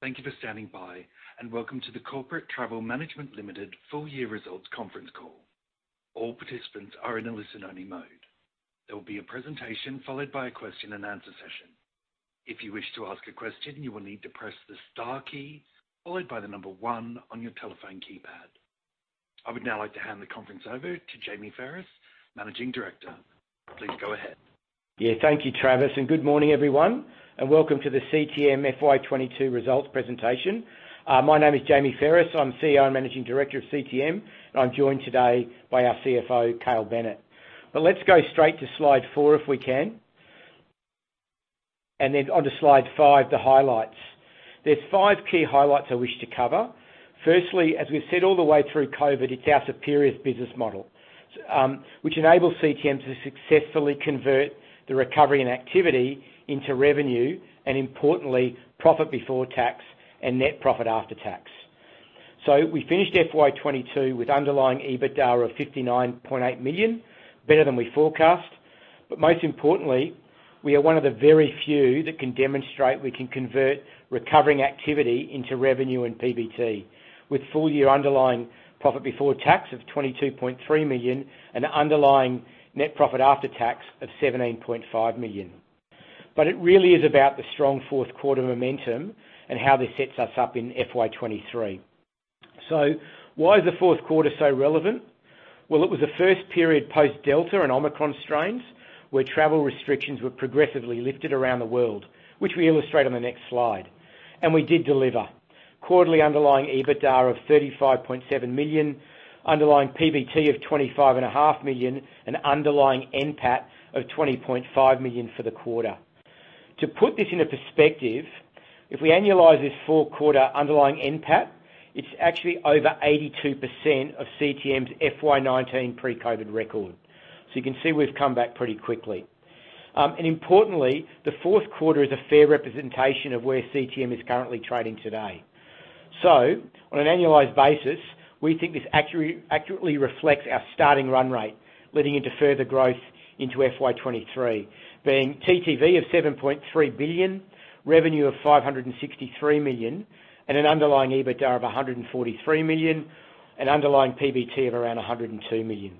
Thank you for standing by, and welcome to the Corporate Travel Management Limited full-year results conference call. All participants are in a listen-only mode. There will be a presentation followed by a question-and-answer session. If you wish to ask a question, you will need to press the star key followed by the number 1 on your telephone keypad. I would now like to hand the conference over to Jamie Pherous, Managing Director. Please go ahead. Yeah, thank you, Travis, and good morning, everyone, and welcome to the CTM FY22 results presentation. My name is Jamie Pherous. I'm CEO and Managing Director of CTM, and I'm joined today by our CFO, Cale Bennett. But let's go straight to slide 4 if we can, and then onto slide 5, the highlights. There's 5 key highlights I wish to cover. Firstly, as we've said all the way through COVID, it's our superior business model, which enables CTM to successfully convert the recovery in activity into revenue and, importantly, profit before tax and net profit after tax. We finished FY22 with underlying EBITDA of 59.8 million, better than we forecast. Most importantly, we are one of the very few that can demonstrate we can convert recovering activity into revenue and PBT, with full-year underlying profit before tax of 22.3 million and underlying net profit after tax of 17.5 million. It really is about the strong fourth quarter momentum and how this sets us up in FY23. Why is the fourth quarter so relevant? Well, it was the first period post-Delta and Omicron strains where travel restrictions were progressively lifted around the world, which we illustrate on the next slide. We did deliver, quarterly underlying EBITDA of 35.7 million, underlying PBT of 25 and a half million, and underlying NPAT of 20.5 million for the quarter. To put this in perspective, if we annualize this fourth quarter underlying NPAT, it's actually over 82% of CTM's FY19 pre-COVID record. You can see we've come back pretty quickly. Importantly, the fourth quarter is a fair representation of where CTM is currently trading today. On an annualized basis, we think this accurately reflects our starting run rate leading into further growth into FY23, being TTV of 7.3 billion, revenue of 563 million, and an underlying EBITDA of 143 million, an underlying PBT of around 102 million.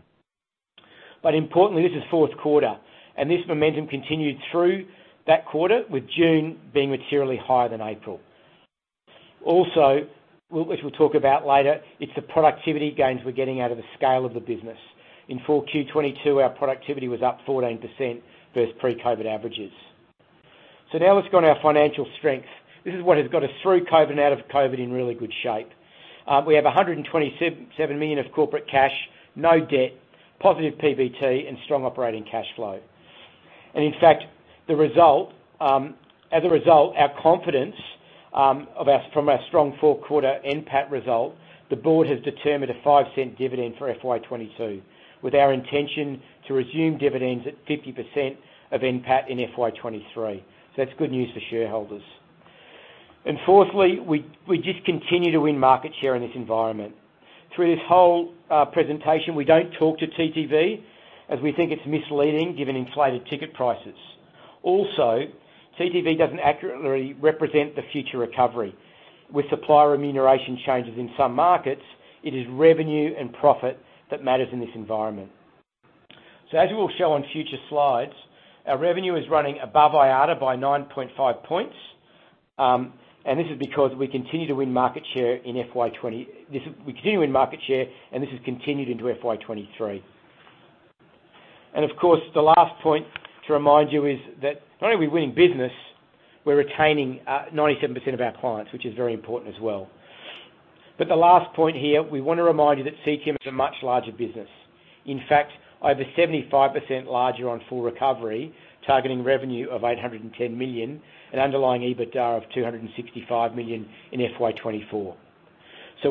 Importantly, this is fourth quarter, and this momentum continued through that quarter, with June being materially higher than April. Also, which we'll talk about later, it's the productivity gains we're getting out of the scale of the business. In 4Q22, our productivity was up 14% versus pre-COVID averages. Now let's go on our financial strengths. This is what has got us through COVID and out of COVID in really good shape. We have 127 million of corporate cash, no debt, positive PBT, and strong operating cash flow. In fact, as a result, our confidence from our strong fourth quarter NPAT result. The board has determined a 0.05 dividend for FY22, with our intention to resume dividends at 50% of NPAT in FY23. That's good news for shareholders. Fourthly, we just continue to win market share in this environment. Through this whole presentation, we don't talk to TTV as we think it's misleading given inflated ticket prices. Also, TTV doesn't accurately represent the future recovery. With supply remuneration changes in some markets, it is revenue and profit that matters in this environment. As we'll show on future slides, our revenue is running above IATA by 9.5 points, and this is because we continue to win market share in FY20, and this has continued into FY23. Of course, the last point to remind you is that not only are we winning business, we're retaining 97% of our clients, which is very important as well. The last point here, we want to remind you that CTM is a much larger business. In fact, over 75% larger on full recovery, targeting revenue of 810 million and underlying EBITDA of 265 million in FY24.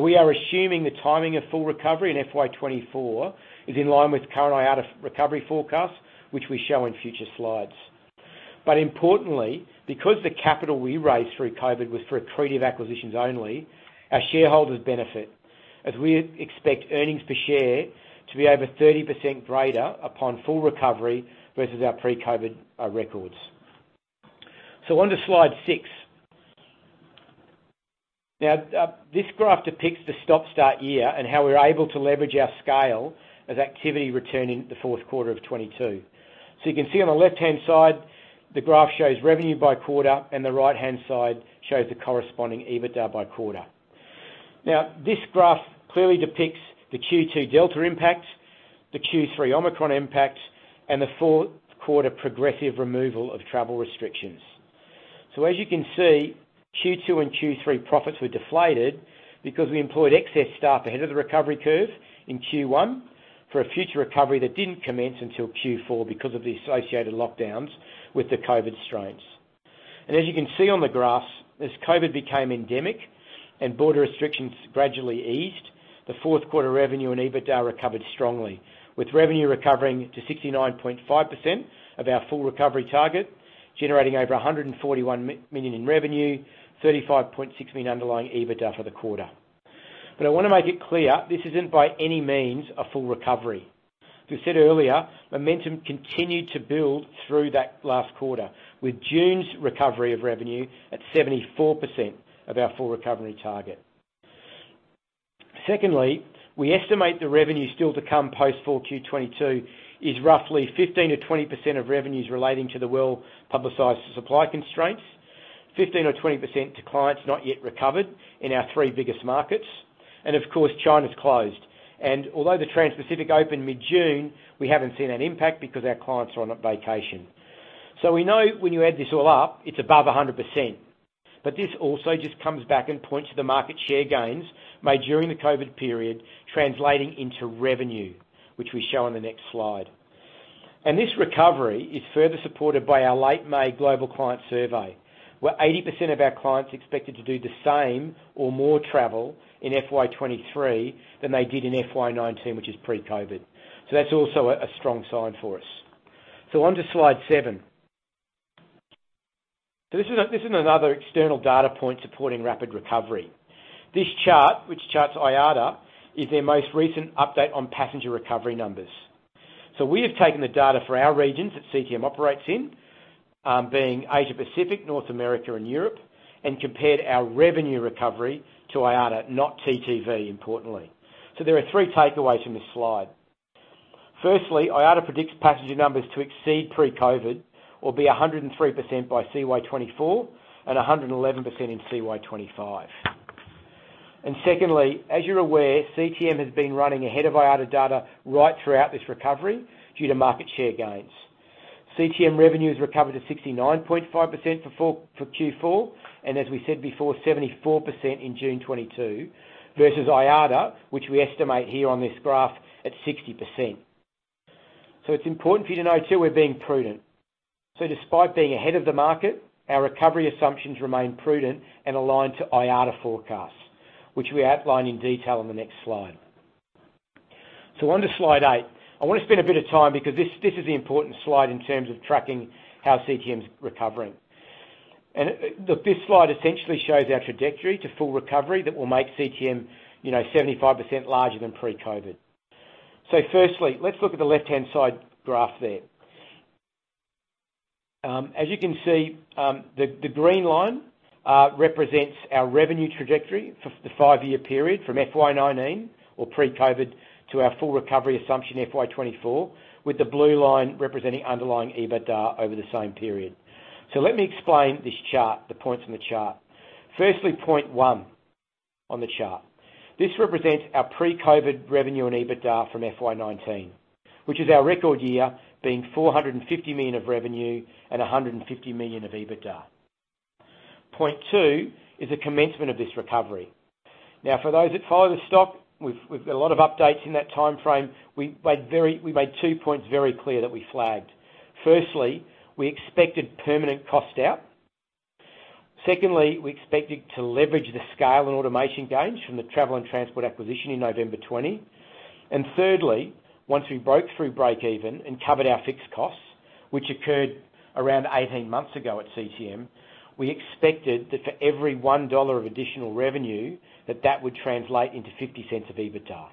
We are assuming the timing of full recovery in FY24 is in line with current IATA recovery forecasts, which we show in future slides. Importantly, because the capital we raised through COVID was for accretive acquisitions only, our shareholders benefit as we expect earnings per share to be over 30% greater upon full recovery versus our pre-COVID records. Onto slide 6. Now, this graph depicts the stop-start year and how we're able to leverage our scale as activity returned in the fourth quarter of 2022. You can see on the left-hand side, the graph shows revenue by quarter, and the right-hand side shows the corresponding EBITDA by quarter. Now, this graph clearly depicts the Q2 Delta impact, the Q3 Omicron impact, and the fourth quarter progressive removal of travel restrictions. As you can see, Q2 and Q3 profits were deflated because we employed excess staff ahead of the recovery curve in Q1 for a future recovery that didn't commence until Q4 because of the associated lockdowns with the COVID strains. As you can see on the graphs, as COVID became endemic and border restrictions gradually eased, the fourth quarter revenue and EBITDA recovered strongly, with revenue recovering to 69.5% of our full recovery target, generating over 141 million in revenue, 35.6 million underlying EBITDA for the quarter. I want to make it clear this isn't by any means a full recovery. As we said earlier, momentum continued to build through that last quarter, with June's recovery of revenue at 74% of our full recovery target. Secondly, we estimate the revenue still to come post-4Q22 is roughly 15% or 20% of revenues relating to the well-publicized supply constraints, 15% or 20% to clients not yet recovered in our three biggest markets, and of course, China's closed. Although the Trans-Pacific opened mid-June, we haven't seen that impact because our clients are on vacation. We know when you add this all up, it's above 100%. This also just comes back and points to the market share gains made during the COVID period translating into revenue, which we show on the next slide. This recovery is further supported by our late May global client survey, where 80% of our clients expected to do the same or more travel in FY23 than they did in FY19, which is pre-COVID. That's also a strong sign for us. Onto slide 7. This is another external data point supporting rapid recovery. This chart, which charts IATA, is their most recent update on passenger recovery numbers. We have taken the data for our regions that CTM operates in, being Asia-Pacific, North America, and Europe, and compared our revenue recovery to IATA, not TTV, importantly. There are three takeaways from this slide. Firstly, IATA predicts passenger numbers to exceed pre-COVID or be 103% by CY24 and 111% in CY25. Secondly, as you're aware, CTM has been running ahead of IATA data right throughout this recovery due to market share gains. CTM revenue has recovered to 69.5% for Q4 and, as we said before, 74% in June 2022 versus IATA, which we estimate here on this graph at 60%. It's important for you to know too we're being prudent. Despite being ahead of the market, our recovery assumptions remain prudent and aligned to IATA forecasts, which we outline in detail on the next slide. Onto slide 8. I want to spend a bit of time because this is the important slide in terms of tracking how CTM's recovering. Look, this slide essentially shows our trajectory to full recovery that will make CTM 75% larger than pre-COVID. Firstly, let's look at the left-hand side graph there. As you can see, the green line represents our revenue trajectory for the five-year period from FY19 or pre-COVID to our full recovery assumption FY24, with the blue line representing underlying EBITDA over the same period. Let me explain the points on the chart. Firstly, point 1 on the chart. This represents our pre-COVID revenue and EBITDA from FY19, which is our record year being 450 million of revenue and 150 million of EBITDA. Point 2 is the commencement of this recovery. Now, for those that follow the stock, we've got a lot of updates in that timeframe. We made two points very clear that we flagged. Firstly, we expected permanent cost out. Secondly, we expected to leverage the scale and automation gains from the Travel and Transport acquisition in November 2020. Thirdly, once we broke through break-even and covered our fixed costs, which occurred around 18 months ago at CTM, we expected that for every 1 dollar of additional revenue, that would translate into 0.50 of EBITDA.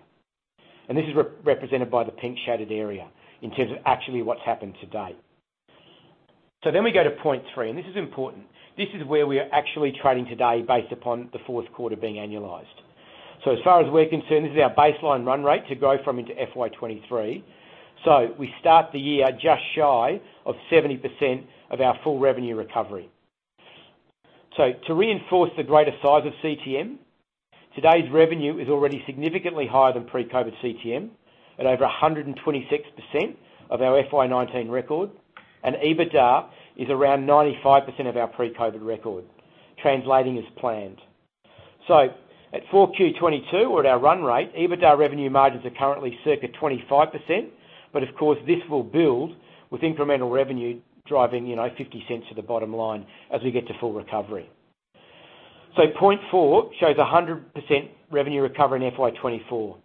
This is represented by the pink-shaded area in terms of actually what's happened to date. We go to point 3, and this is important. This is where we are actually trading today based upon the fourth quarter being annualized. As far as we're concerned, this is our baseline run rate to grow from into FY23. We start the year just shy of 70% of our full revenue recovery. To reinforce the greater size of CTM, today's revenue is already significantly higher than pre-COVID CTM at over 126% of our FY19 record, and EBITDA is around 95% of our pre-COVID record, translating as planned. At 4Q22 or at our run rate, EBITDA revenue margins are currently circa 25%, but of course, this will build with incremental revenue driving 0.50 to the bottom line as we get to full recovery. Point 4 shows 100% revenue recovery in FY24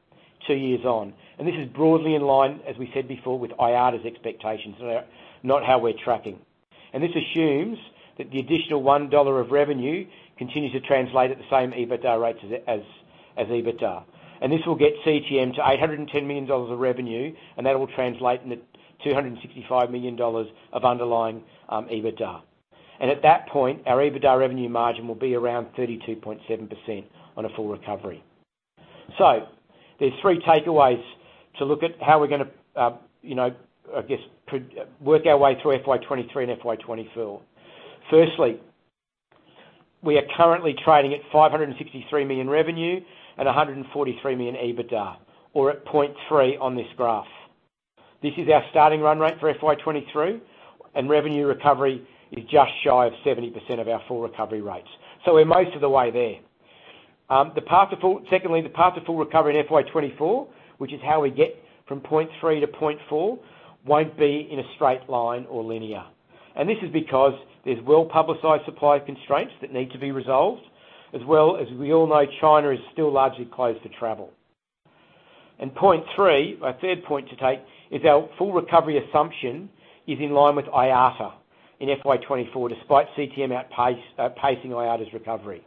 two years on. This is broadly in line, as we said before, with IATA's expectations with how we're tracking. This assumes that the additional 1 dollar of revenue continues to translate at the same EBITDA rate as EBITDA. This will get CTM to 810 million dollars of revenue, and that will translate into 265 million dollars of underlying EBITDA. At that point, our EBITDA revenue margin will be around 32.7% on a full recovery. There's three takeaways to look at how we're going to, I guess, work our way through FY23 and FY24. Firstly, we are currently trading at 563 million revenue and 143 million EBITDA, or at point 3 on this graph. This is our starting run rate for FY23, and revenue recovery is just shy of 70% of our full recovery rates. We're most of the way there. Secondly, the path to full recovery in FY24, which is how we get from point 3 to point 4, won't be in a straight line or linear. This is because there's well-publicized supply constraints that need to be resolved, as well as we all know China is still largely closed for travel. Point 3, our third point to take, is our full recovery assumption is in line with IATA in FY24 despite CTM outpacing IATA's recovery.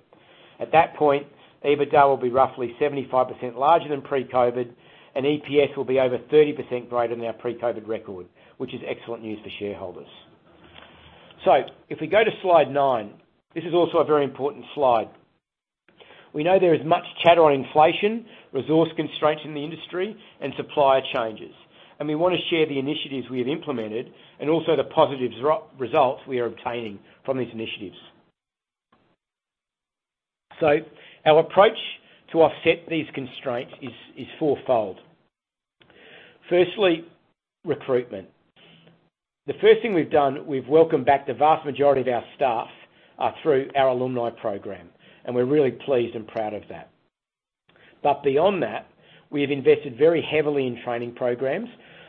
At that point, EBITDA will be roughly 75% larger than pre-COVID, and EPS will be over 30% greater than our pre-COVID record, which is excellent news for shareholders. If we go to slide 9, this is also a very important slide. We know there is much chatter on inflation, resource constraints in the industry, and supplier changes. We want to share the initiatives we have implemented and also the positive results we are obtaining from these initiatives. Our approach to offset these constraints is fourfold. Firstly, recruitment. The first thing we've done, we've welcomed back the vast majority of our staff through our alumni program, and we're really pleased and proud of that. But beyond that, we have invested very heavily in training programs,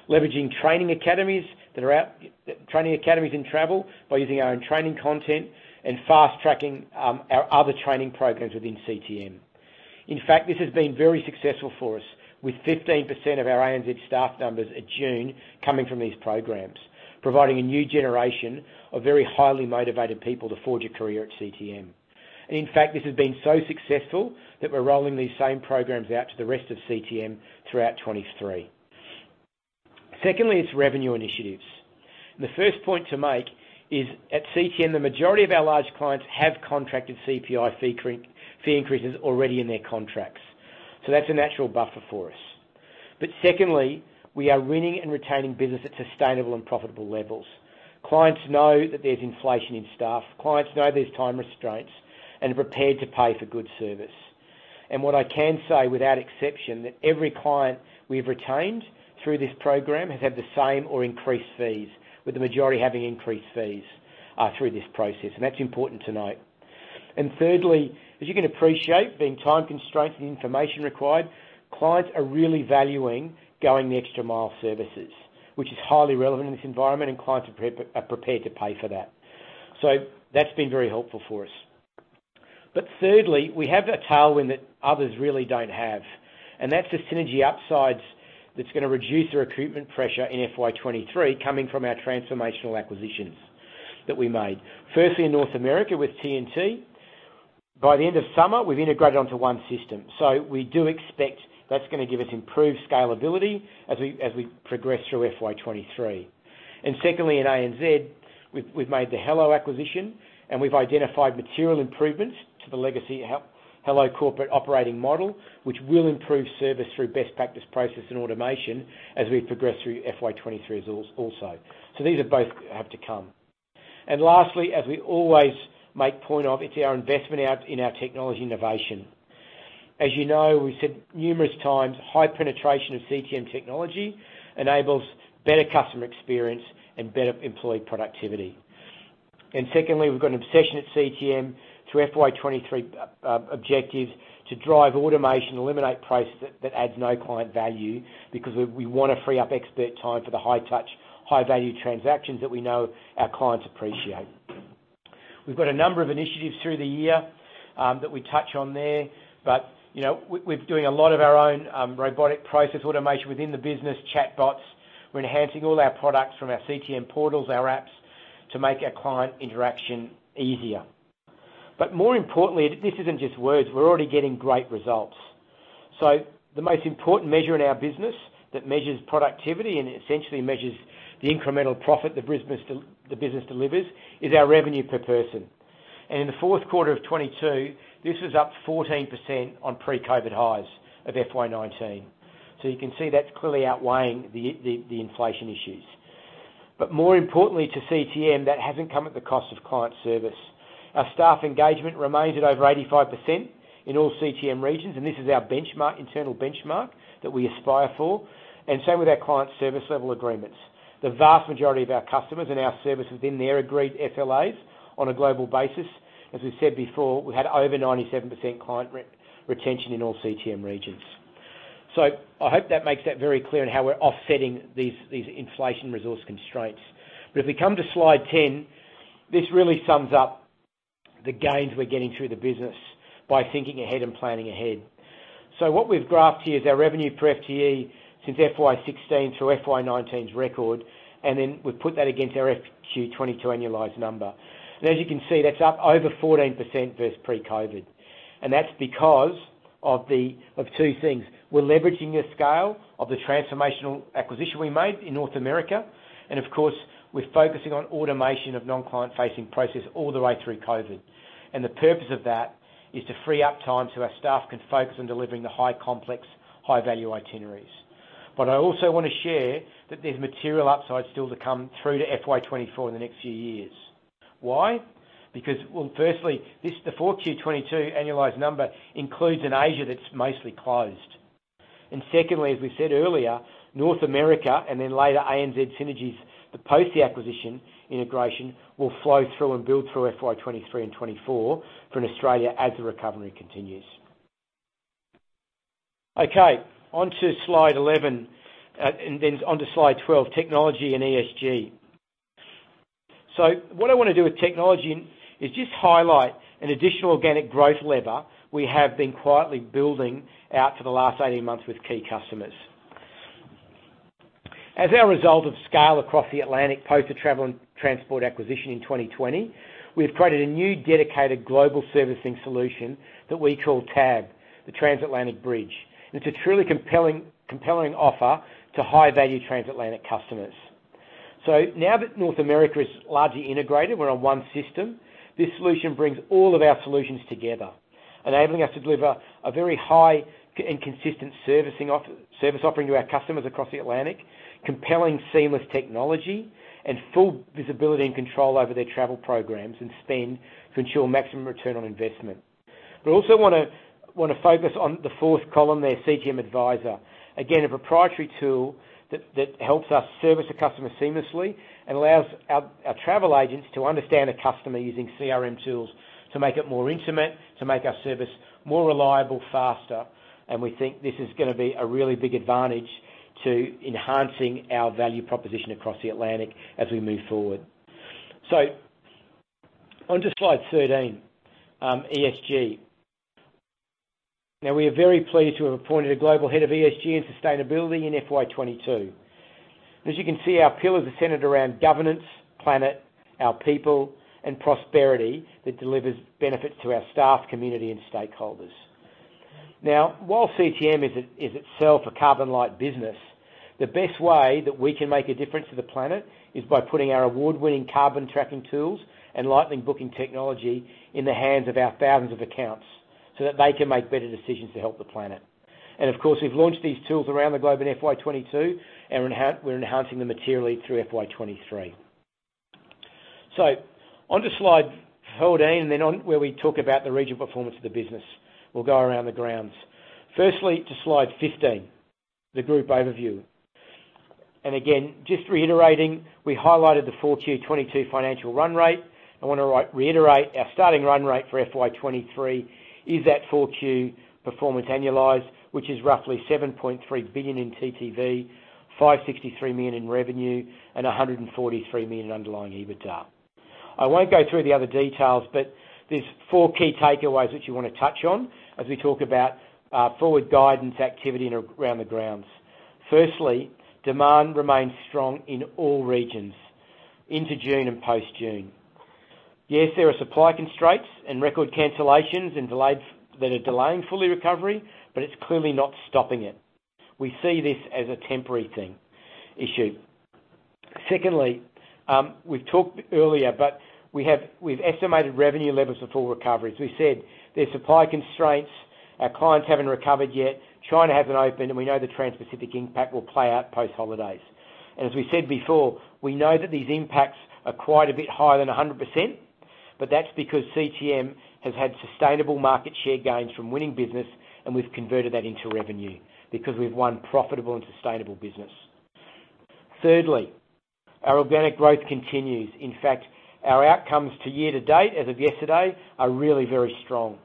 leveraging training academies in travel by using our own training content and fast-tracking our other training programs within CTM. In fact, this has been very successful for us with 15% of our ANZ staff numbers at June coming from these programs, providing a new generation of very highly motivated people to forge a career at CTM. In fact, this has been so successful that we're rolling these same programs out to the rest of CTM throughout 2023. Secondly, it's revenue initiatives. The first point to make is at CTM, the majority of our large clients have contracted CPI fee increases already in their contracts. That's a natural buffer for us. Secondly, we are winning and retaining business at sustainable and profitable levels. Clients know that there's inflation in staff. Clients know there's time restraints and are prepared to pay for good service. What I can say without exception is that every client we've retained through this program has had the same or increased fees, with the majority having increased fees through this process. That's important to note. Thirdly, as you can appreciate, being time constraints and information required, clients are really valuing going the extra mile services, which is highly relevant in this environment, and clients are prepared to pay for that. That's been very helpful for us. Thirdly, we have a tailwind that others really don't have. That's the synergy upsides that's going to reduce the recruitment pressure in FY23 coming from our transformational acquisitions that we made. Firstly, in North America with T&T, by the end of summer, we've integrated onto one system. We do expect that's going to give us improved scalability as we progress through FY23. Secondly, in ANZ, we've made the Helloworld acquisition, and we've identified material improvements to the legacy Helloworld Corporate operating model, which will improve service through best practice process and automation as we progress through FY23 also. These both have to come. Lastly, as we always make point of, it's our investment in our technology innovation. As you know, we've said numerous times, high penetration of CTM technology enables better customer experience and better employee productivity. Secondly, we've got an obsession at CTM through FY23 objectives to drive automation, eliminate process that adds no client value because we want to free up expert time for the high-touch, high-value transactions that we know our clients appreciate. We've got a number of initiatives through the year that we touch on there, but we're doing a lot of our own robotic process automation within the business, chatbots. We're enhancing all our products from our CTM portals, our apps, to make our client interaction easier. More importantly, this isn't just words. We're already getting great results. The most important measure in our business that measures productivity and essentially measures the incremental profit the business delivers is our revenue per person. In the fourth quarter of 2022, this was up 14% on pre-COVID highs of FY19. You can see that's clearly outweighing the inflation issues. More importantly to CTM, that hasn't come at the cost of client service. Our staff engagement remains at over 85% in all CTM regions, and this is our internal benchmark that we aspire for, and same with our client service level agreements. The vast majority of our customers and our service within their agreed SLAs on a global basis, as we've said before, we had over 97% client retention in all CTM regions. I hope that makes that very clear in how we're offsetting these inflation resource constraints. If we come to slide 10, this really sums up the gains we're getting through the business by thinking ahead and planning ahead. What we've graphed here is our revenue per FTE since FY16 through FY19's record, and then we've put that against our 4Q22 annualized number. As you can see, that's up over 14% versus pre-COVID. That's because of two things. We're leveraging the scale of the transformational acquisition we made in North America, and of course, we're focusing on automation of non-client-facing process all the way through COVID. The purpose of that is to free up time so our staff can focus on delivering the high-complex, high-value itineraries. I also want to share that there's material upsides still to come through to FY2024 in the next few years. Why? Because, well, firstly, the 4Q2022 annualized number includes an Asia that's mostly closed. Secondly, as we said earlier, North America and then later ANZ synergies, the post-acquisition integration, will flow through and build through FY2023 and 2024 in Australia as the recovery continues. Okay. Onto slide 11 and then onto slide 12, technology and ESG. What I want to do with technology is just highlight an additional organic growth lever we have been quietly building out for the last 18 months with key customers. As our result of scale across the Atlantic post-Travel and Transport acquisition in 2020, we've created a new dedicated global servicing solution that we call TAB, the Transatlantic Bridge. It's a truly compelling offer to high-value Transatlantic customers. Now that North America is largely integrated, we're on one system. This solution brings all of our solutions together, enabling us to deliver a very high and consistent service offering to our customers across the Atlantic, compelling seamless technology, and full visibility and control over their travel programs and spend to ensure maximum return on investment. I also want to focus on the fourth column there, CTM Advisor. Again, a proprietary tool that helps us service a customer seamlessly and allows our travel agents to understand a customer using CRM tools to make it more intimate, to make our service more reliable, faster. We think this is going to be a really big advantage to enhancing our value proposition across the Atlantic as we move forward. Onto slide 13, ESG. Now, we are very pleased to have appointed a global head of ESG and sustainability in FY22. As you can see, our pillars are centered around governance, planet, our people, and prosperity that delivers benefits to our staff, community, and stakeholders. Now, while CTM is itself a carbon-light business, the best way that we can make a difference to the planet is by putting our award-winning carbon tracking tools and Lightning booking technology in the hands of our thousands of accounts so that they can make better decisions to help the planet. Of course, we've launched these tools around the globe in FY22, and we're enhancing them materially through FY23. Onto slide 14 and then where we talk about the regional performance of the business. We'll go around the grounds. Firstly, to slide 15, the group overview. Again, just reiterating, we highlighted the 4Q22 financial run rate. I want to reiterate, our starting run rate for FY23 is that 4Q performance annualized, which is roughly 7.3 billion in TTV, 563 million in revenue, and 143 million in underlying EBITDA. I won't go through the other details, but there's four key takeaways that you want to touch on as we talk about forward guidance, activity, and around the grounds. Firstly, demand remains strong in all regions into June and post-June. Yes, there are supply constraints and record cancellations that are delaying full recovery, but it's clearly not stopping it. We see this as a temporary issue. Secondly, we've talked earlier, but we've estimated revenue levels for full recovery. As we said, there's supply constraints. Our clients haven't recovered yet. China hasn't opened, and we know the Trans-Pacific impact will play out post-holidays. as we said before, we know that these impacts are quite a bit higher than 100%, but that's because CTM has had sustainable market share gains from winning business, and we've converted that into revenue because we've won profitable and sustainable business. Thirdly, our organic growth continues. In fact, our outcomes to year-to-date as of yesterday are really very strong.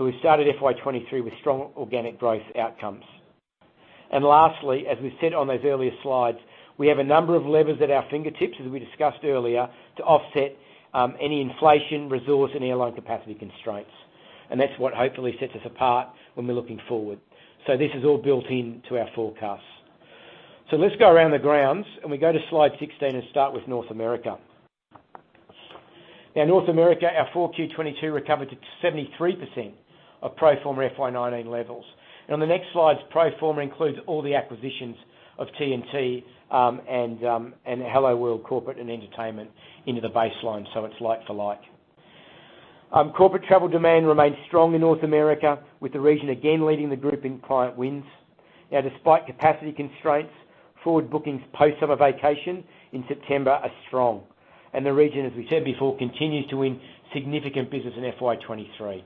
we've started FY23 with strong organic growth outcomes. lastly, as we've said on those earlier slides, we have a number of levers at our fingertips, as we discussed earlier, to offset any inflation, resource, and airline capacity constraints. that's what hopefully sets us apart when we're looking forward. this is all built into our forecasts. Let's go around the grounds, and we go to slide 16 and start with North America. Now, North America, our 4Q22 recovered to 73% of pro forma FY19 levels. On the next slides, pro forma includes all the acquisitions of T&T and Helloworld Corporate into the baseline so it's like for like. Corporate travel demand remains strong in North America, with the region again leading the group in client wins. Now, despite capacity constraints, forward bookings post-summer vacation in September are strong. The region, as we said before, continues to win significant business in FY23.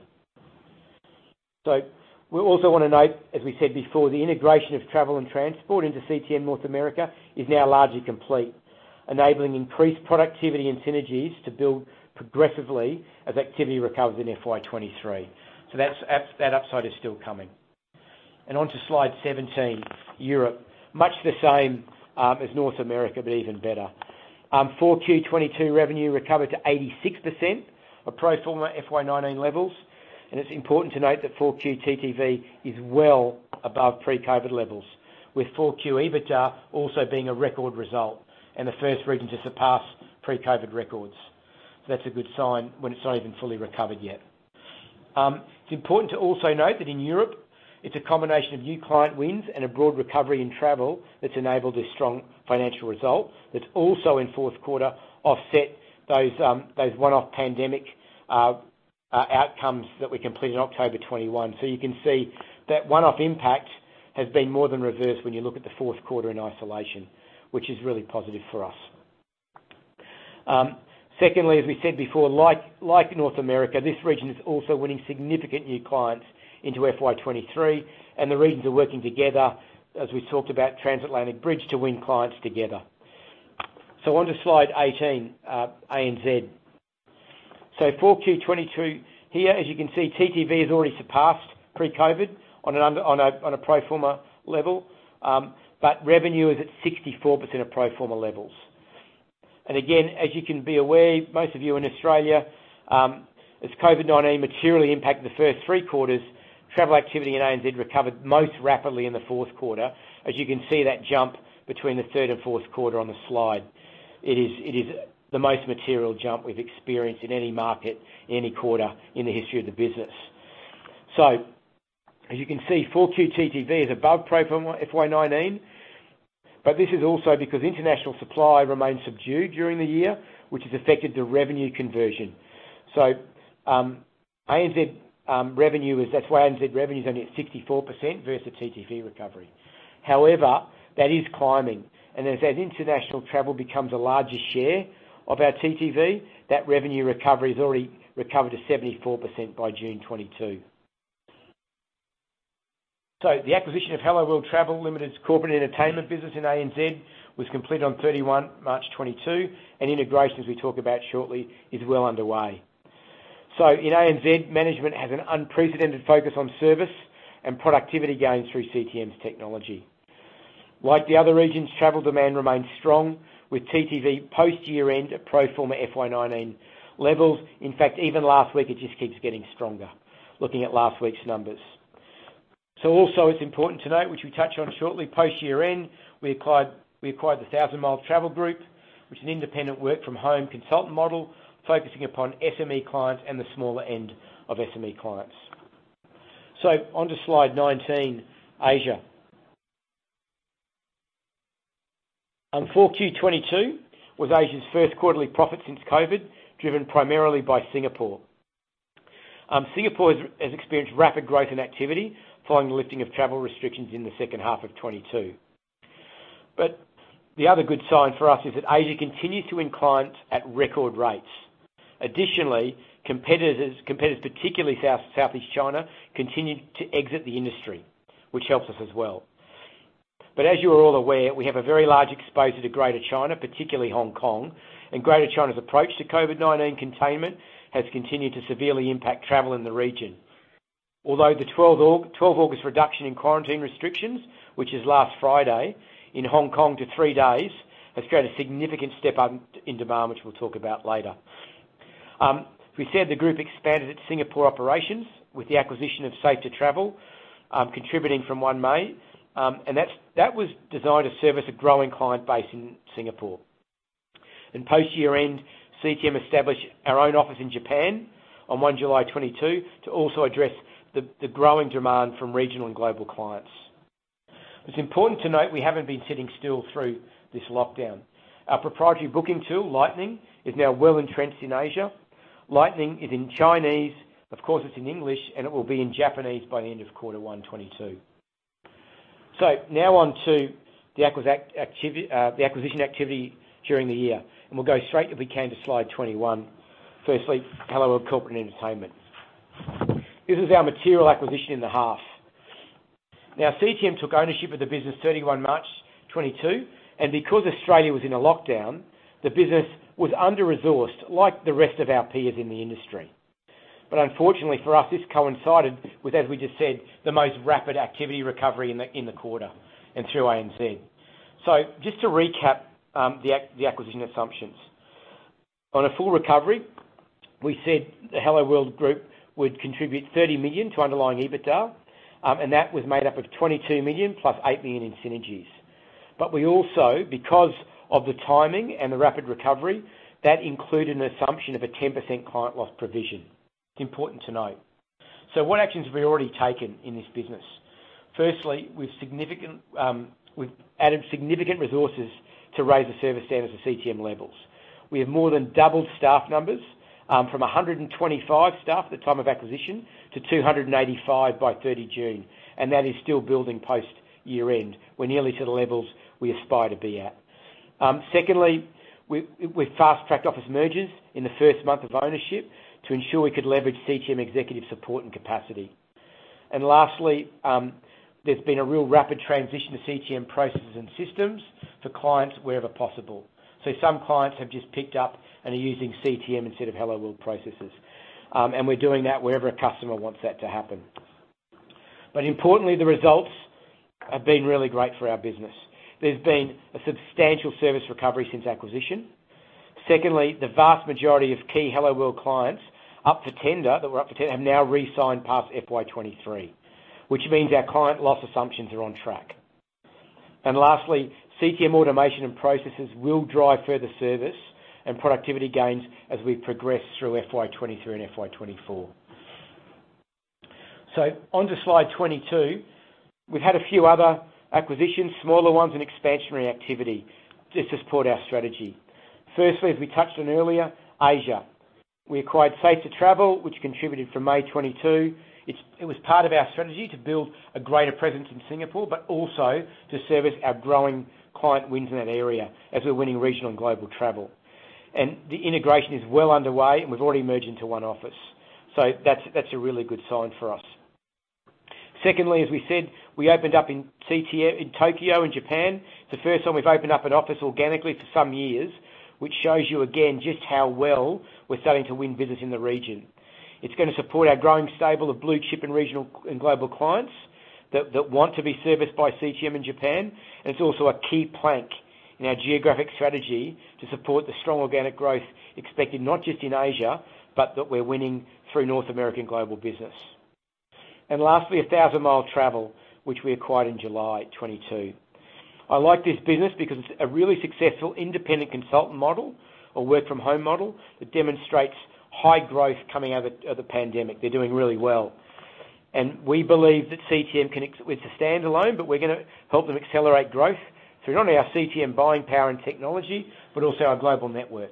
We also want to note, as we said before, the integration of Travel and Transport into CTM North America is now largely complete, enabling increased productivity and synergies to build progressively as activity recovers in FY23. That upside is still coming. Onto slide 17, Europe. Much the same as North America, but even better. 4Q22 revenue recovered to 86% of pro forma FY19 levels. It's important to note that 4Q TTV is well above pre-COVID levels, with 4Q EBITDA also being a record result and the first region to surpass pre-COVID records. That's a good sign when it's not even fully recovered yet. It's important to also note that in Europe, it's a combination of new client wins and a broad recovery in travel that's enabled this strong financial result that's also in fourth quarter offset those one-off pandemic outcomes that we completed in October 2021. You can see that one-off impact has been more than reversed when you look at the fourth quarter in isolation, which is really positive for us. Secondly, as we said before, like North America, this region is also winning significant new clients into FY23, and the regions are working together, as we talked about, Transatlantic Bridge to win clients together. Onto slide 18, ANZ. 4Q22 here, as you can see, TTV has already surpassed pre-COVID on a pro forma level, but revenue is at 64% of pro forma levels. Again, as you can be aware, most of you in Australia, as COVID-19 materially impacted the first three quarters, travel activity in ANZ recovered most rapidly in the fourth quarter. As you can see that jump between the third and fourth quarter on the slide, it is the most material jump we've experienced in any market, in any quarter in the history of the business. As you can see, 4Q TTV is above pro forma FY19, but this is also because international supply remains subdued during the year, which has affected the revenue conversion. That's why ANZ revenue is only at 64% versus TTV recovery. However, that is climbing. As international travel becomes a larger share of our TTV, that revenue recovery has already recovered to 74% by June 2022. The acquisition of Helloworld Travel Limited's corporate entertainment business in ANZ was completed on 31 March 2022, and integration, as we talk about shortly, is well underway. In ANZ, management has an unprecedented focus on service and productivity gains through CTM's technology. Like the other regions, travel demand remains strong with TTV post-year-end at pro forma FY19 levels. In fact, even last week, it just keeps getting stronger, looking at last week's numbers. Also, it's important to note, which we touch on shortly, post-year-end, we acquired the 1000 Mile Travel Group, which is an independent work-from-home consultant model focusing upon SME clients and the smaller end of SME clients. Onto slide 19, Asia. 4Q22 was Asia's first quarterly profit since COVID, driven primarily by Singapore. Singapore has experienced rapid growth in activity following the lifting of travel restrictions in the second half of 2022. The other good sign for us is that Asia continues to win clients at record rates. Additionally, competitors, particularly Southeast Asia, continue to exit the industry, which helps us as well. As you are all aware, we have a very large exposure to Greater China, particularly Hong Kong, and Greater China's approach to COVID-19 containment has continued to severely impact travel in the region. Although the 12 August reduction in quarantine restrictions, which is last Friday, in Hong Kong to 3 days, has created a significant step up in demand, which we'll talk about later. We said the group expanded its Singapore operations with the acquisition of Safe2Travel, contributing from 1 May. That was designed to service a growing client base in Singapore. Post-year-end, CTM established our own office in Japan on 1 July 2022 to also address the growing demand from regional and global clients. It's important to note we haven't been sitting still through this lockdown. Our proprietary booking tool, Lightning, is now well entrenched in Asia. Lightning is in Chinese. Of course, it's in English, and it will be in Japanese by the end of quarter 1 2022. Now onto the acquisition activity during the year. We'll go straight, if we can, to slide 21. Firstly, Helloworld Corporate. This is our material acquisition in the half. Now, CTM took ownership of the business 31 March 2022. Because Australia was in a lockdown, the business was under-resourced like the rest of our peers in the industry. Unfortunately for us, this coincided with, as we just said, the most rapid activity recovery in the quarter and through ANZ. Just to recap the acquisition assumptions. On a full recovery, we said the Helloworld group would contribute 30 million to underlying EBITDA, and that was made up of 22 million plus 8 million in synergies. We also, because of the timing and the rapid recovery, that included an assumption of a 10% client loss provision. It's important to note. What actions have we already taken in this business? Firstly, we've added significant resources to raise the service standards at CTM levels. We have more than doubled staff numbers from 125 staff at the time of acquisition to 285 by 30 June. That is still building post-year-end. We're nearly to the levels we aspire to be at. Secondly, we've fast-tracked office mergers in the first month of ownership to ensure we could leverage CTM executive support and capacity. Lastly, there's been a real rapid transition to CTM processes and systems for clients wherever possible. Some clients have just picked up and are using CTM instead of Helloworld processes. We're doing that wherever a customer wants that to happen. Importantly, the results have been really great for our business. There's been a substantial service recovery since acquisition. Secondly, the vast majority of key Helloworld clients that were up for tender have now re-signed past FY23, which means our client loss assumptions are on track. Lastly, CTM automation and processes will drive further service and productivity gains as we progress through FY23 and FY24. Onto slide 22. We've had a few other acquisitions, smaller ones, and expansionary activity to support our strategy. Firstly, as we touched on earlier, Asia. We acquired Safe2Travel, which contributed from May 2022. It was part of our strategy to build a greater presence in Singapore but also to service our growing client wins in that area as we're winning regional and global travel. The integration is well underway, and we've already merged into one office. That's a really good sign for us. Secondly, as we said, we opened up in Tokyo, in Japan. It's the first time we've opened up an office organically for some years, which shows you, again, just how well we're starting to win business in the region. It's going to support our growing stable of blue chip and regional and global clients that want to be serviced by CTM in Japan. It's also a key plank in our geographic strategy to support the strong organic growth expected not just in Asia but that we're winning through North American global business. Lastly, 1000 Mile Travel Group, which we acquired in July 2022. I like this business because it's a really successful independent consultant model or work-from-home model that demonstrates high growth coming out of the pandemic. They're doing really well. We believe that it's a standalone, but we're going to help them accelerate growth through not only our CTM buying power and technology but also our global network.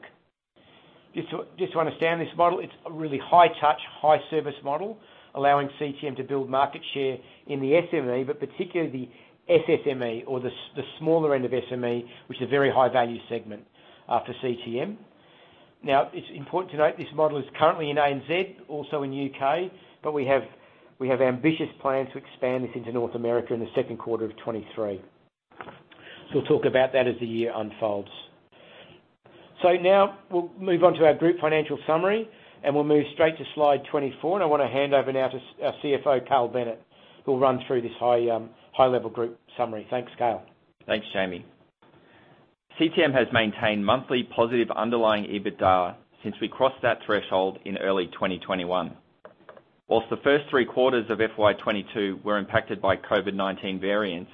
Just to understand this model, it's a really high-touch, high-service model allowing CTM to build market share in the SME but particularly the SSME or the smaller end of SME, which is a very high-value segment for CTM. Now, it's important to note this model is currently in ANZ, also in UK, but we have ambitious plans to expand this into North America in the second quarter of 2023. We'll talk about that as the year unfolds. Now we'll move onto our group financial summary, and we'll move straight to slide 24. I want to hand over now to our CFO, Cale Bennett, who'll run through this high-level group summary. Thanks, Cale. Thanks, Jamie. CTM has maintained monthly positive underlying EBITDA since we crossed that threshold in early 2021. While the first three quarters of FY22 were impacted by COVID-19 variants,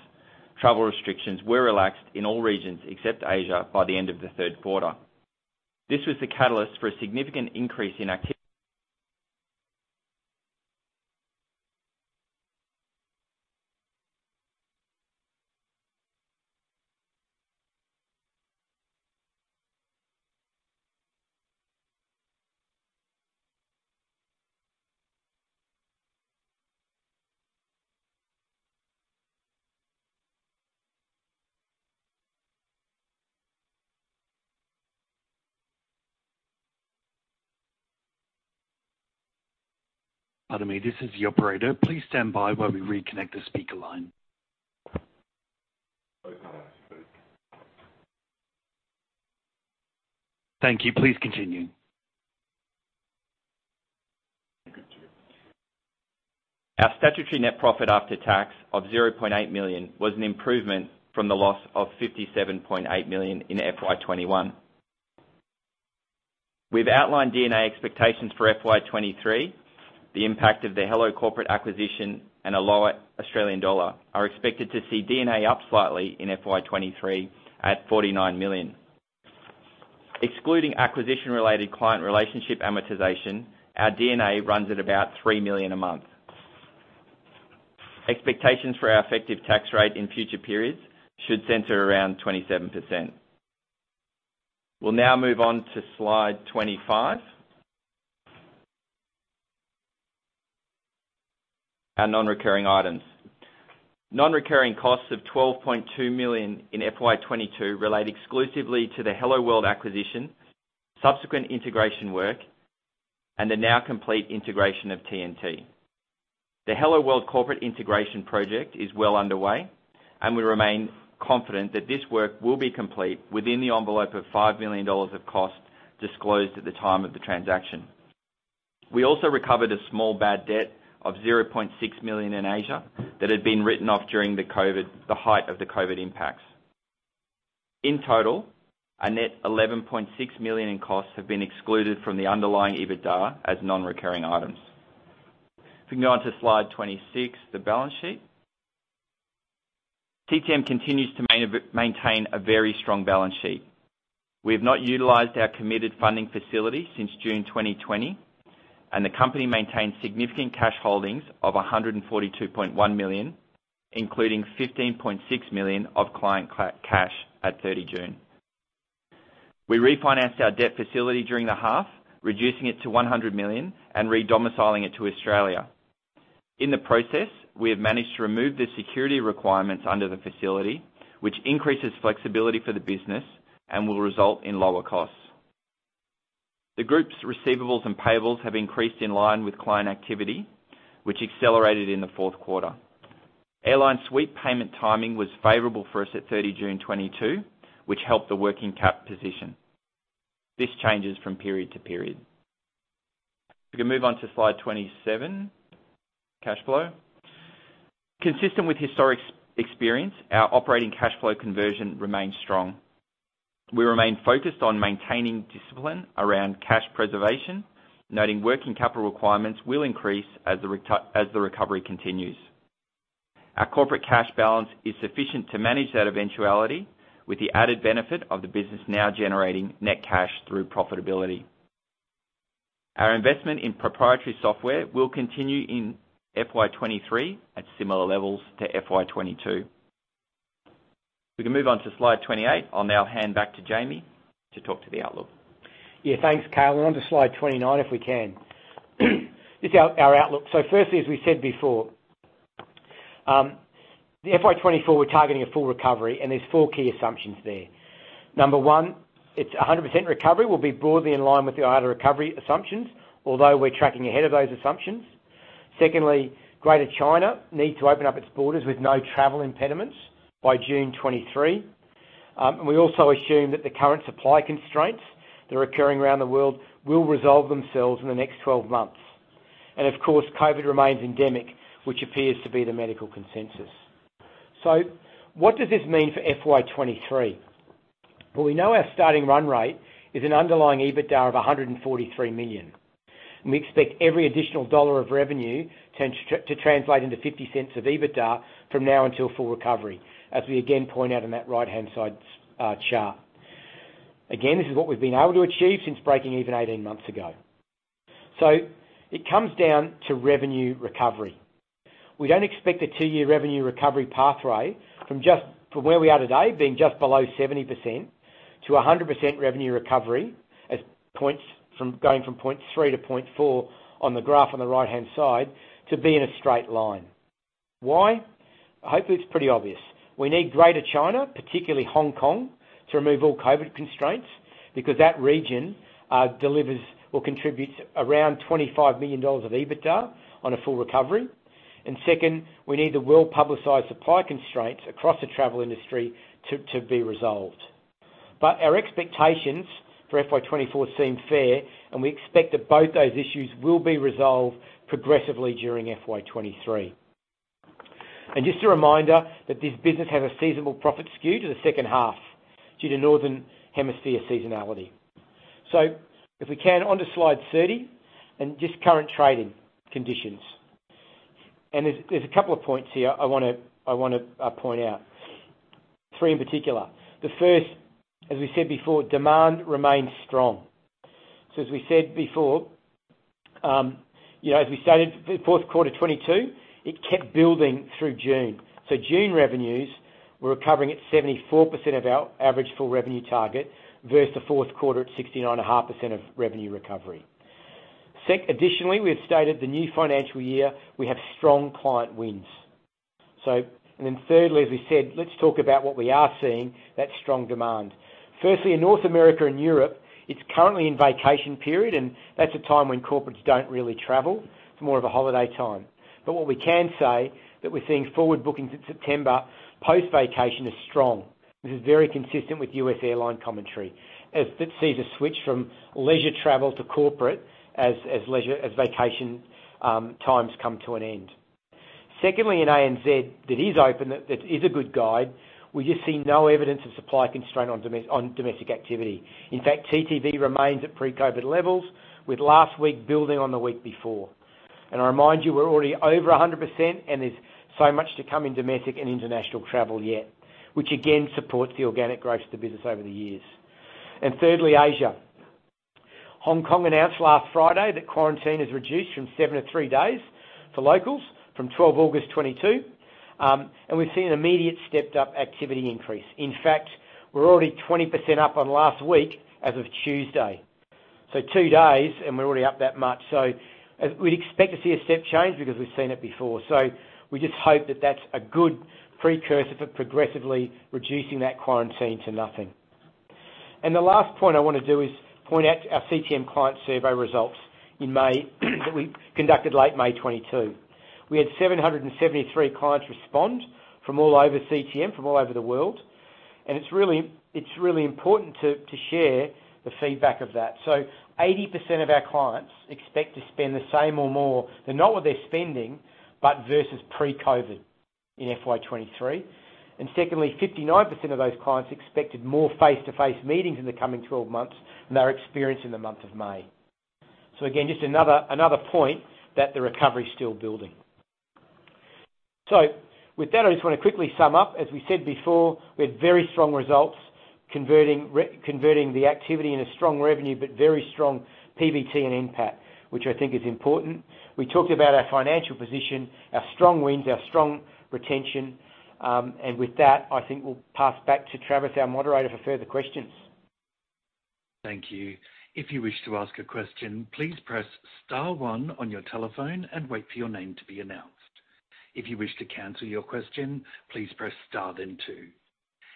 travel restrictions were relaxed in all regions except Asia by the end of the third quarter. This was the catalyst for a significant increase in activity Pardon me. This is the operator. Please stand by while we reconnect the speaker line. Oh, pardon. Thank you. Please continue. Our statutory net profit after tax of 0.8 million was an improvement from the loss of 57.8 million in FY21. With outlined D&A expectations for FY23, the impact of the Helloworld Corporate acquisition and a lower Australian dollar are expected to see D&A up slightly in FY23 at 49 million. Excluding acquisition-related client relationship amortization, our D&A runs at about 3 million a month. Expectations for our effective tax rate in future periods should center around 27%. We'll now move on to slide 25, our non-recurring items. Non-recurring costs of 12.2 million in FY22 relate exclusively to the Helloworld acquisition, subsequent integration work, and the now complete integration of T&T. The Helloworld corporate integration project is well underway, and we remain confident that this work will be complete within the envelope of 5 million dollars of cost disclosed at the time of the transaction. We also recovered a small bad debt of 0.6 million in Asia that had been written off during the height of the COVID impacts. In total, a net 11.6 million in costs have been excluded from the underlying EBITDA as non-recurring items. If we can go on to slide 26, the balance sheet. CTM continues to maintain a very strong balance sheet. We have not utilized our committed funding facility since June 2020, and the company maintains significant cash holdings of 142.1 million, including 15.6 million of client cash at 30 June. We refinanced our debt facility during the half, reducing it to 100 million and redomiciling it to Australia. In the process, we have managed to remove the security requirements under the facility, which increases flexibility for the business and will result in lower costs. The group's receivables and payables have increased in line with client activity, which accelerated in the fourth quarter. Airline BSP payment timing was favorable for us at 30 June 2022, which helped the working capital position. This changes from period to period. If we can move on to slide 27, cash flow. Consistent with historic experience, our operating cash flow conversion remains strong. We remain focused on maintaining discipline around cash preservation, noting working capital requirements will increase as the recovery continues. Our corporate cash balance is sufficient to manage that eventuality with the added benefit of the business now generating net cash through profitability. Our investment in proprietary software will continue in FY23 at similar levels to FY22. If we can move on to slide 28, I'll now hand back to Jamie to talk to the outlook. Yeah. Thanks, Cale. onto slide 29, if we can. This is our outlook. Firstly, as we said before, the FY24, we're targeting a full recovery, and there's four key assumptions there. Number one, it's 100% recovery will be broadly in line with the IATA recovery assumptions, although we're tracking ahead of those assumptions. Secondly, Greater China needs to open up its borders with no travel impediments by June 2023. We also assume that the current supply constraints that are occurring around the world will resolve themselves in the next 12 months. Of course, COVID remains endemic, which appears to be the medical consensus. What does this mean for FY23? Well, we know our starting run rate is an underlying EBITDA of 143 million. We expect every additional AUD of revenue to translate into 0.50 of EBITDA from now until full recovery, as we again point out in that right-hand side chart. Again, this is what we've been able to achieve since breaking even 18 months ago. It comes down to revenue recovery. We don't expect the two-year revenue recovery pathway from where we are today being just below 70% to 100% revenue recovery going from point 3 to point 4 on the graph on the right-hand side to be in a straight line. Why? Hopefully, it's pretty obvious. We need Greater China, particularly Hong Kong, to remove all COVID constraints because that region will contribute around 25 million dollars of EBITDA on a full recovery. Second, we need the well-publicized supply constraints across the travel industry to be resolved. Our expectations for FY24 seem fair, and we expect that both those issues will be resolved progressively during FY23. Just a reminder that this business has a seasonal profit skew to the second half due to northern hemisphere seasonality. If we can, onto slide 30 and just current trading conditions. There's a couple of points here I want to point out, three in particular. The first, as we said before, demand remains strong. As we said before, as we stated, fourth quarter 2022, it kept building through June. June revenues were recovering at 74% of our average full revenue target versus the fourth quarter at 69.5% of revenue recovery. Additionally, we have started the new financial year, we have strong client wins. Then thirdly, as we said, let's talk about what we are seeing, that strong demand. Firstly, in North America and Europe, it's currently in vacation period, and that's a time when corporates don't really travel. It's more of a holiday time. But what we can say, that we're seeing forward bookings in September post-vacation are strong. This is very consistent with U.S. airline commentary that sees a switch from leisure travel to corporate as vacation times come to an end. Secondly, in ANZ, that is open, that is a good guide, we just see no evidence of supply constraint on domestic activity. In fact, TTV remains at pre-COVID levels with last week building on the week before. I remind you, we're already over 100%, and there's so much to come in domestic and international travel yet, which again supports the organic growth of the business over the years. Thirdly, Asia. Hong Kong announced last Friday that quarantine is reduced from 7 to 3 days for locals from 12 August 2022. We've seen an immediate stepped-up activity increase. In fact, we're already 20% up on last week as of Tuesday. Two days, and we're already up that much. We'd expect to see a step change because we've seen it before. We just hope that that's a good precursor for progressively reducing that quarantine to nothing. The last point I want to do is point out our CTM client survey results in May that we conducted late May 2022. We had 773 clients respond from all over CTM, from all over the world. It's really important to share the feedback of that. 80% of our clients expect to spend the same or more, than not what they're spending but versus pre-COVID in FY23. Secondly, 59% of those clients expected more face-to-face meetings in the coming 12 months and their experience in the month of May. Again, just another point that the recovery's still building. With that, I just want to quickly sum up. As we said before, we had very strong results converting the activity in a strong revenue but very strong PBT and NPAT, which I think is important. We talked about our financial position, our strong wins, our strong retention. With that, I think we'll pass back to Travis, our moderator, for further questions. Thank you. If you wish to ask a question, please press star 1 on your telephone and wait for your name to be announced. If you wish to cancel your question, please press star then 2.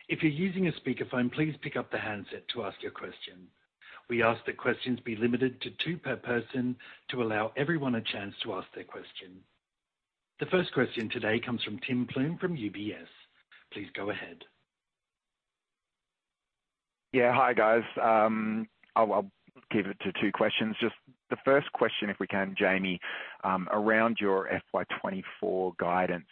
If you're using a speakerphone, please pick up the handset to ask your question. We ask that questions be limited to two per person to allow everyone a chance to ask their question. The first question today comes from Tim Plumbe from UBS. Please go ahead. Yeah. Hi, guys. I'll give it to two questions. Just the first question, if we can, Jamie, around your FY24 guidance.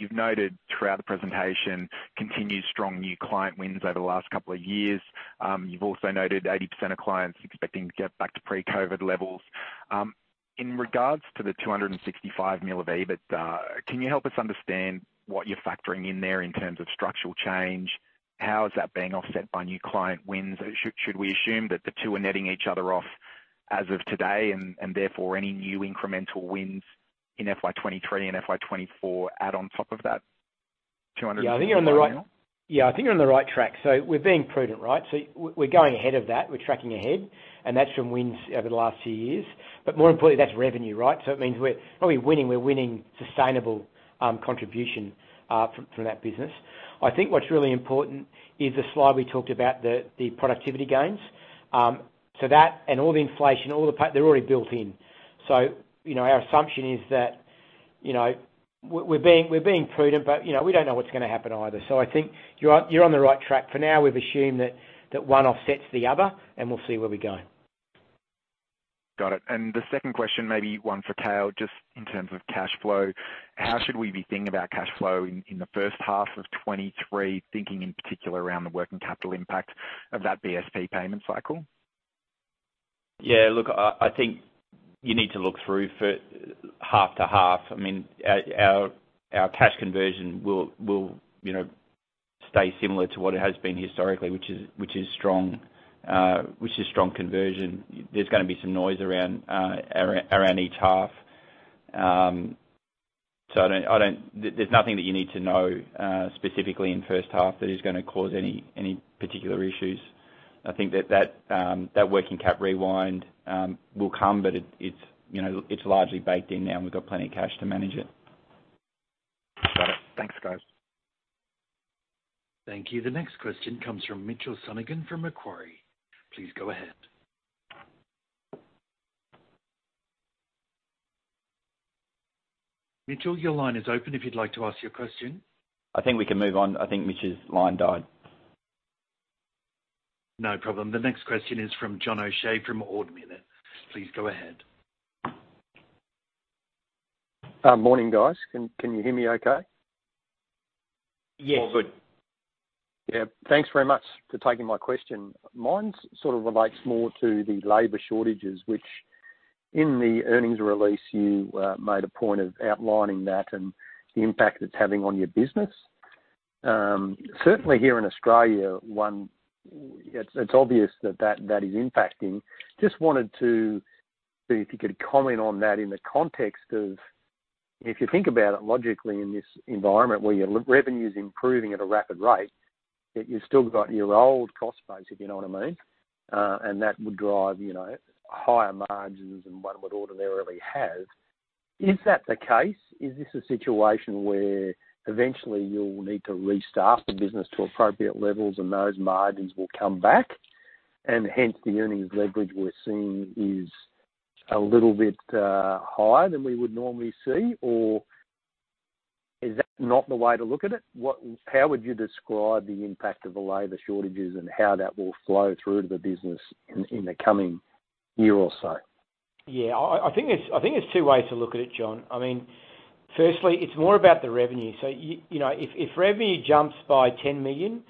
You've noted throughout the presentation continued strong new client wins over the last couple of years. You've also noted 80% of clients expecting to get back to pre-COVID levels. In regards to the 265 million of EBITDA, can you help us understand what you're factoring in there in terms of structural change? How is that being offset by new client wins? Should we assume that the two are netting each other off as of today and therefore any new incremental wins in FY23 and FY24 add on top of that AUD 200 million? I think you're on the right track. We're being prudent, right? We're going ahead of that. We're tracking ahead. That's from wins over the last few years. More importantly, that's revenue, right? It means we're not really winning. We're winning sustainable contribution from that business. I think what's really important is the slide we talked about, the productivity gains. That and all the inflation, all the they're already built in. Our assumption is that we're being prudent, but we don't know what's going to happen either. I think you're on the right track. For now, we've assumed that one offsets the other, and we'll see where we go. Got it. The second question, maybe one for Cale, just in terms of cash flow. How should we be thinking about cash flow in the first half of 2023, thinking in particular around the working capital impact of that BSP payment cycle? Yeah. Look, I think you need to look through half to half. I mean, our cash conversion will stay similar to what it has been historically, which is strong conversion. There's going to be some noise around each half. There's nothing that you need to know specifically in first half that is going to cause any particular issues. I think that working cap rewind will come, but it's largely baked in now, and we've got plenty of cash to manage it. Got it. Thanks, guys. Thank you. The next question comes from Mitchell Sonogan from Macquarie. Please go ahead. Mitchell, your line is open if you'd like to ask your question. I think we can move on. I think Mitchell's line died. No problem. The next question is from John O'Shea from Ord Minnett. Please go ahead. Morning, guys. Can you hear me okay? Yes. All good. Yeah. Thanks very much for taking my question. Mine sort of relates more to the labour shortages, which in the earnings release, you made a point of outlining that and the impact it's having on your business. Certainly here in Australia, it's obvious that that is impacting. Just wanted to see if you could comment on that in the context of if you think about it logically in this environment where your revenue's improving at a rapid rate, that you've still got your old cost base, if you know what I mean, and that would drive higher margins than one would ordinarily have. Is that the case? Is this a situation where eventually you'll need to restart the business to appropriate levels and those margins will come back and hence the earnings leverage we're seeing is a little bit higher than we would normally see? Is that not the way to look at it? How would you describe the impact of the labor shortages and how that will flow through to the business in the coming year or so? Yeah. I think there's two ways to look at it, John. I mean, firstly, it's more about the revenue. If revenue jumps by 10 million,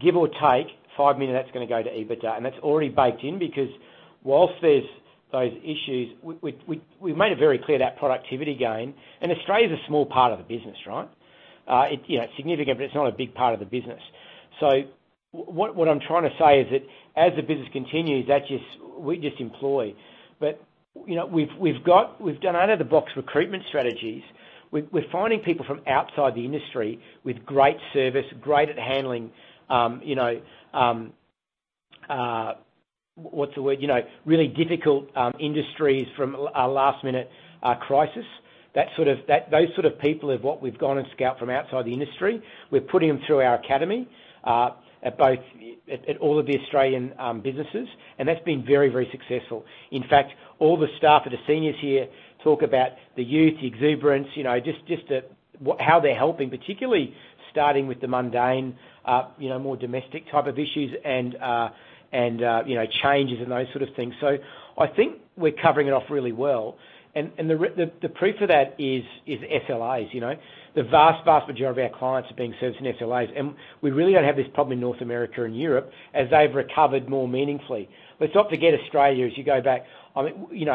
give or take, 5 million, that's going to go to EBITDA. That's already baked in because while there's those issues, we've made it very clear that productivity gain and Australia's a small part of the business, right? It's significant, but it's not a big part of the business. What I'm trying to say is that as the business continues, we just employ. We've done out-of-the-box recruitment strategies. We're finding people from outside the industry with great service, great at handling what's the word? Really difficult industries from our last-minute crisis. Those sort of people are what we've gone and scout from outside the industry. We're putting them through our academy at all of the Australian businesses, and that's been very, very successful. In fact, all the staff at the seniors here talk about the youth, the exuberance, just how they're helping, particularly starting with the mundane, more domestic type of issues and changes and those sort of things. I think we're covering it off really well. The proof of that is SLAs. The vast majority of our clients are being served in SLAs. We really don't have this problem in North America and Europe as they've recovered more meaningfully. Let's not forget Australia as you go back. I mean,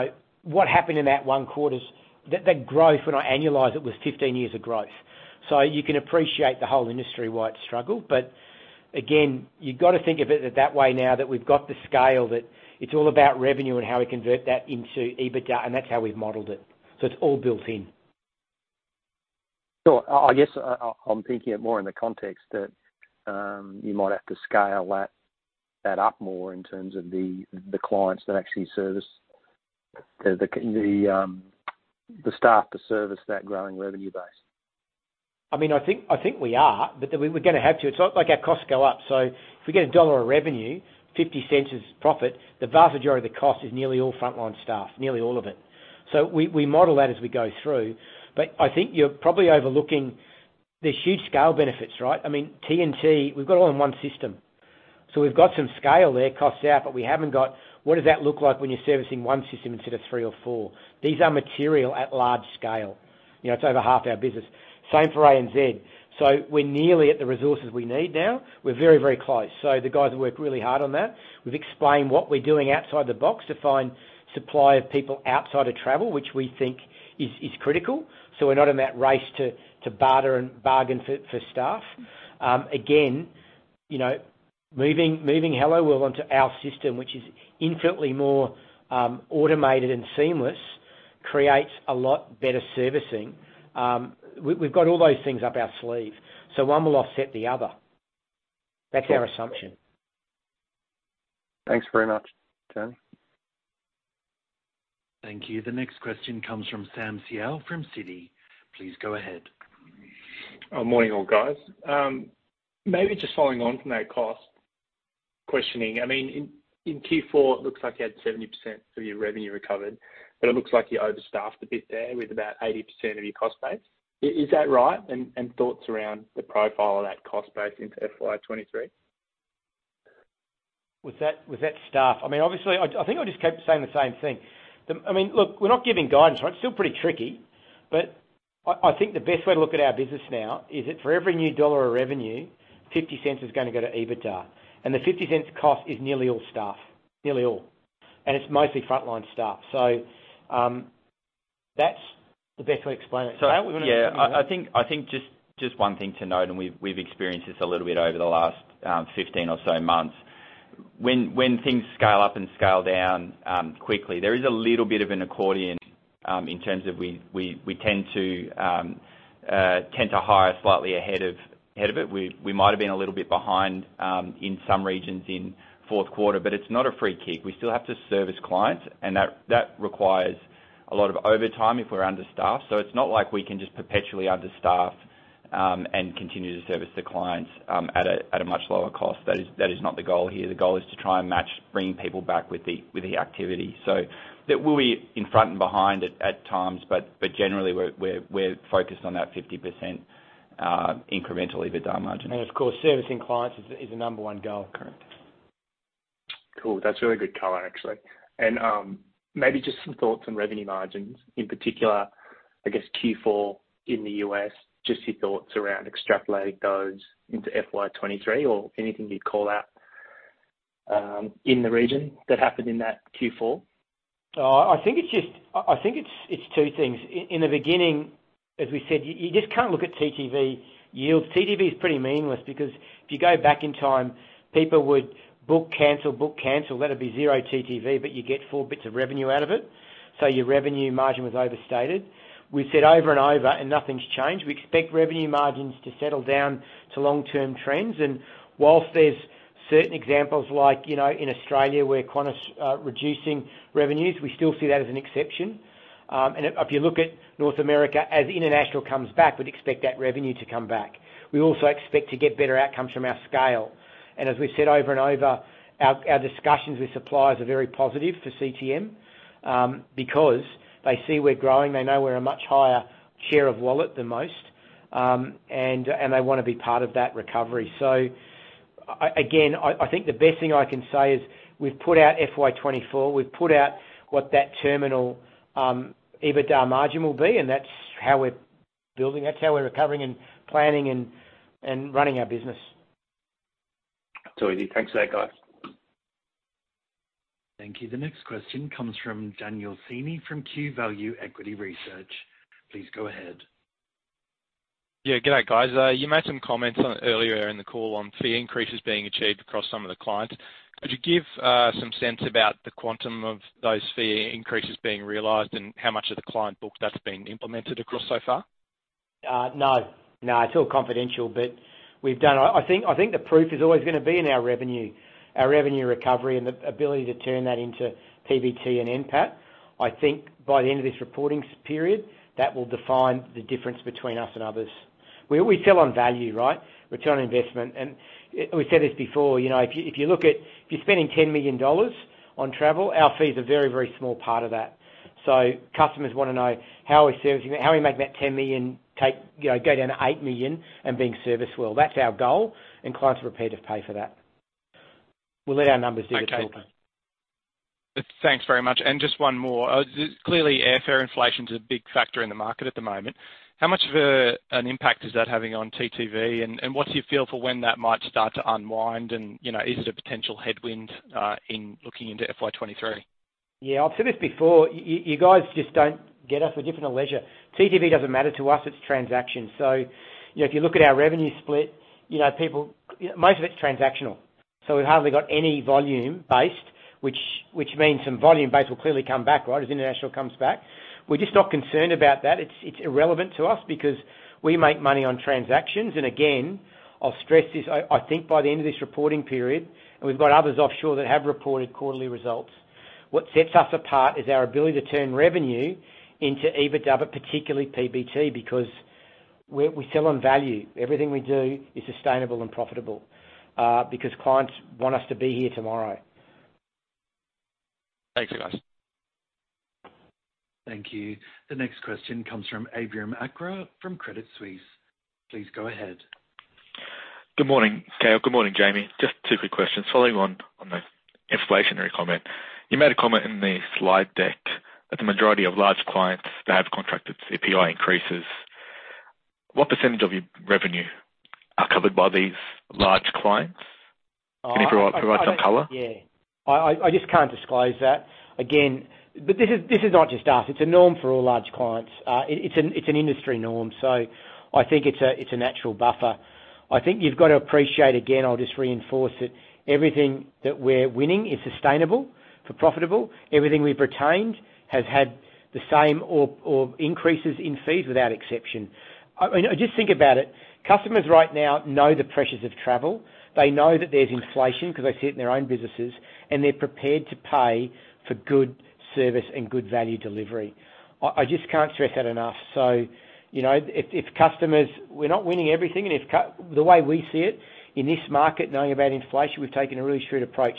what happened in that one quarter is that growth, when I annualized it, was 15 years of growth. You can appreciate the whole industry why it struggled. Again, you've got to think of it that way now that we've got the scale, that it's all about revenue and how we convert that into EBITDA, and that's how we've modeled it. It's all built in. Sure. I guess I'm thinking it more in the context that you might have to scale that up more in terms of the clients that actually service the staff to service that growing revenue base. I mean, I think we are, but we're going to have to. It's like our costs go up. If we get AUD 1 of revenue, 0.50 is profit, the vast majority of the cost is nearly all frontline staff, nearly all of it. We modeled that as we go through. I think you're probably overlooking there's huge scale benefits, right? I mean, T&T, we've got all in one system. We've got some scale there, costs out, but we haven't got what does that look like when you're servicing one system instead of three or four? These are material at large scale. It's over half our business. Same for ANZ. We're nearly at the resources we need now. We're very, very close. The guys have worked really hard on that. We've explained what we're doing outside the box to find supply of people outside of travel, which we think is critical. We're not in that race to bargain for staff. Again, moving Helloworld onto our system, which is infinitely more automated and seamless, creates a lot better servicing. We've got all those things up our sleeve. One will offset the other. That's our assumption. Thanks very much, Jamie Pherous. Thank you. The next question comes from Sam Seow from Citi. Please go ahead. Morning, all guys. Maybe just following on from that cost questioning. I mean, in Q4, it looks like you had 70% of your revenue recovered, but it looks like you overstaffed a bit there with about 80% of your cost base. Is that right? Thoughts around the profile of that cost base into FY23? Was that staff? I mean, obviously, I think I just kept saying the same thing. I mean, look, we're not giving guidance, right? It's still pretty tricky. I think the best way to look at our business now is that for every new AUD 1 of revenue, 0.50 is going to go to EBITDA. The 0.50 cost is nearly all staff, nearly all. It's mostly frontline staff. That's the best way to explain it. Cale, we want to. Yeah. I think just one thing to note, and we've experienced this a little bit over the last 15 or so months. When things scale up and scale down quickly, there is a little bit of an accordion in terms of we tend to hire slightly ahead of it. We might have been a little bit behind in some regions in fourth quarter, but it's not a free kick. We still have to service clients, and that requires a lot of overtime if we're understaffed. It's not like we can just perpetually understaff and continue to service the clients at a much lower cost. That is not the goal here. The goal is to try and bring people back with the activity. We'll be in front and behind at times, but generally, we're focused on that 50% incremental EBITDA margin. Of course, servicing clients is a number one goal. Correct. Cool. That's really good color, actually. Maybe just some thoughts on revenue margins in particular, I guess, Q4 in the U.S., just your thoughts around extrapolating those into FY23 or anything you'd call out in the region that happened in that Q4? I think it's just two things. In the beginning, as we said, you just can't look at TTV yields. TTV is pretty meaningless because if you go back in time, people would book, cancel, book, cancel. Let it be zero TTV, but you get four bits of revenue out of it. So your revenue margin was overstated. We've said over and over, and nothing's changed. We expect revenue margins to settle down to long-term trends. While there's certain examples like in Australia where Qantas is reducing revenues, we still see that as an exception. If you look at North America as international comes back, we'd expect that revenue to come back. We also expect to get better outcomes from our scale. As we've said over and over, our discussions with suppliers are very positive for CTM because they see we're growing. They know we're a much higher share of wallet than most, and they want to be part of that recovery. Again, I think the best thing I can say is we've put out FY24. We've put out what that terminal EBITDA margin will be, and that's how we're building. That's how we're recovering and planning and running our business. Totally. Thanks for that, guys. Thank you. The next question comes from Daniel Seni from QValue Equity Research. Please go ahead. Yeah. Good night, guys. You made some comments earlier in the call on fee increases being achieved across some of the clients. Could you give some sense about the quantum of those fee increases being realized and how much of the client book that's been implemented across so far? No. It's all confidential, but we've done I think the proof is always going to be in our revenue, our revenue recovery, and the ability to turn that into PBT and NPAT. I think by the end of this reporting period, that will define the difference between us and others. We sell on value, right? Return on investment. We've said this before. If you're spending 10 million dollars on travel, our fees are a very, very small part of that. So customers want to know how we're servicing that, how we make that 10 million go down to 8 million and being serviced well. That's our goal, and clients are prepared to pay for that. We'll let our numbers do the talking. Thanks very much. Just one more. Clearly, airfare inflation's a big factor in the market at the moment. How much of an impact is that having on TTV, and what's your feel for when that might start to unwind, and is it a potential headwind in looking into FY23? Yeah. I've said this before. You guys just don't get us. We're different from leisure. TTV doesn't matter to us. It's transactions. If you look at our revenue split, most of it's transactional. We've hardly got any volume-based, which means some volume-based will clearly come back, right, as international comes back. We're just not concerned about that. It's irrelevant to us because we make money on transactions. Again, I'll stress this. I think by the end of this reporting period. We've got others offshore that have reported quarterly results. What sets us apart is our ability to turn revenue into EBITDA, but particularly PBT because we sell on value. Everything we do is sustainable and profitable because clients want us to be here tomorrow. Thanks, you guys. Thank you. The next question comes from Abraham Akra from Credit Suisse. Please go ahead. Good morning, Cale. Good morning, Jamie. Just two quick questions following on the inflationary comment. You made a comment in the slide deck that the majority of large clients, they have contracted CPI increases. What percentage of your revenue are covered by these large clients? Can you provide some color? Yeah. I just can't disclose that. Again, but this is not just us. It's a norm for all large clients. It's an industry norm. I think it's a natural buffer. I think you've got to appreciate, again, I'll just reinforce it, everything that we're winning is sustainable and profitable. Everything we've retained has had the same or increases in fees without exception. I mean, I just think about it. Customers right now know the pressures of travel. They know that there's inflation because they sit in their own businesses, and they're prepared to pay for good service and good value delivery. I just can't stress that enough. If customers we're not winning everything. The way we see it in this market, knowing about inflation, we've taken a really shrewd approach.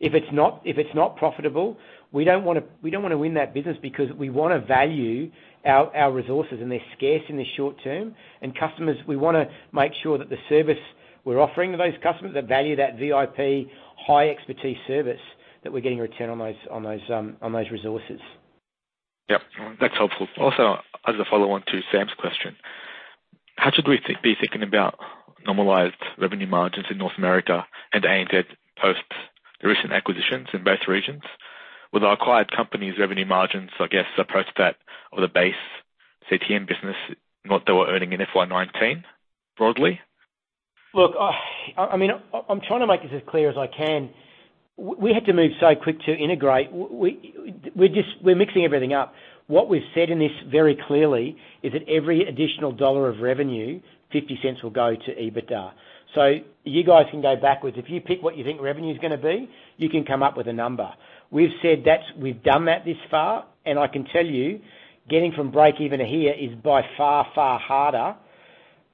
If it's not profitable, we don't want to win that business because we want to value our resources, and they're scarce in the short term. Customers, we want to make sure that the service we're offering to those customers, that value that VIP, high expertise service that we're getting a return on those resources. Yep. That's helpful. Also, as a follow-on to Sam's question, how should we be thinking about normalized revenue margins in North America and ANZ post the recent acquisitions in both regions? Will the acquired companies' revenue margins, I guess, approach that of the base CTM business, not that we're earning in FY19 broadly? Look, I mean, I'm trying to make this as clear as I can. We had to move so quick to integrate. We're mixing everything up. What we've said in this very clearly is that every additional AUD 1 of revenue, 0.50, will go to EBITDA. You guys can go backwards. If you pick what you think revenue's going to be, you can come up with a number. We've done that this far, and I can tell you, getting from break-even here is by far, far harder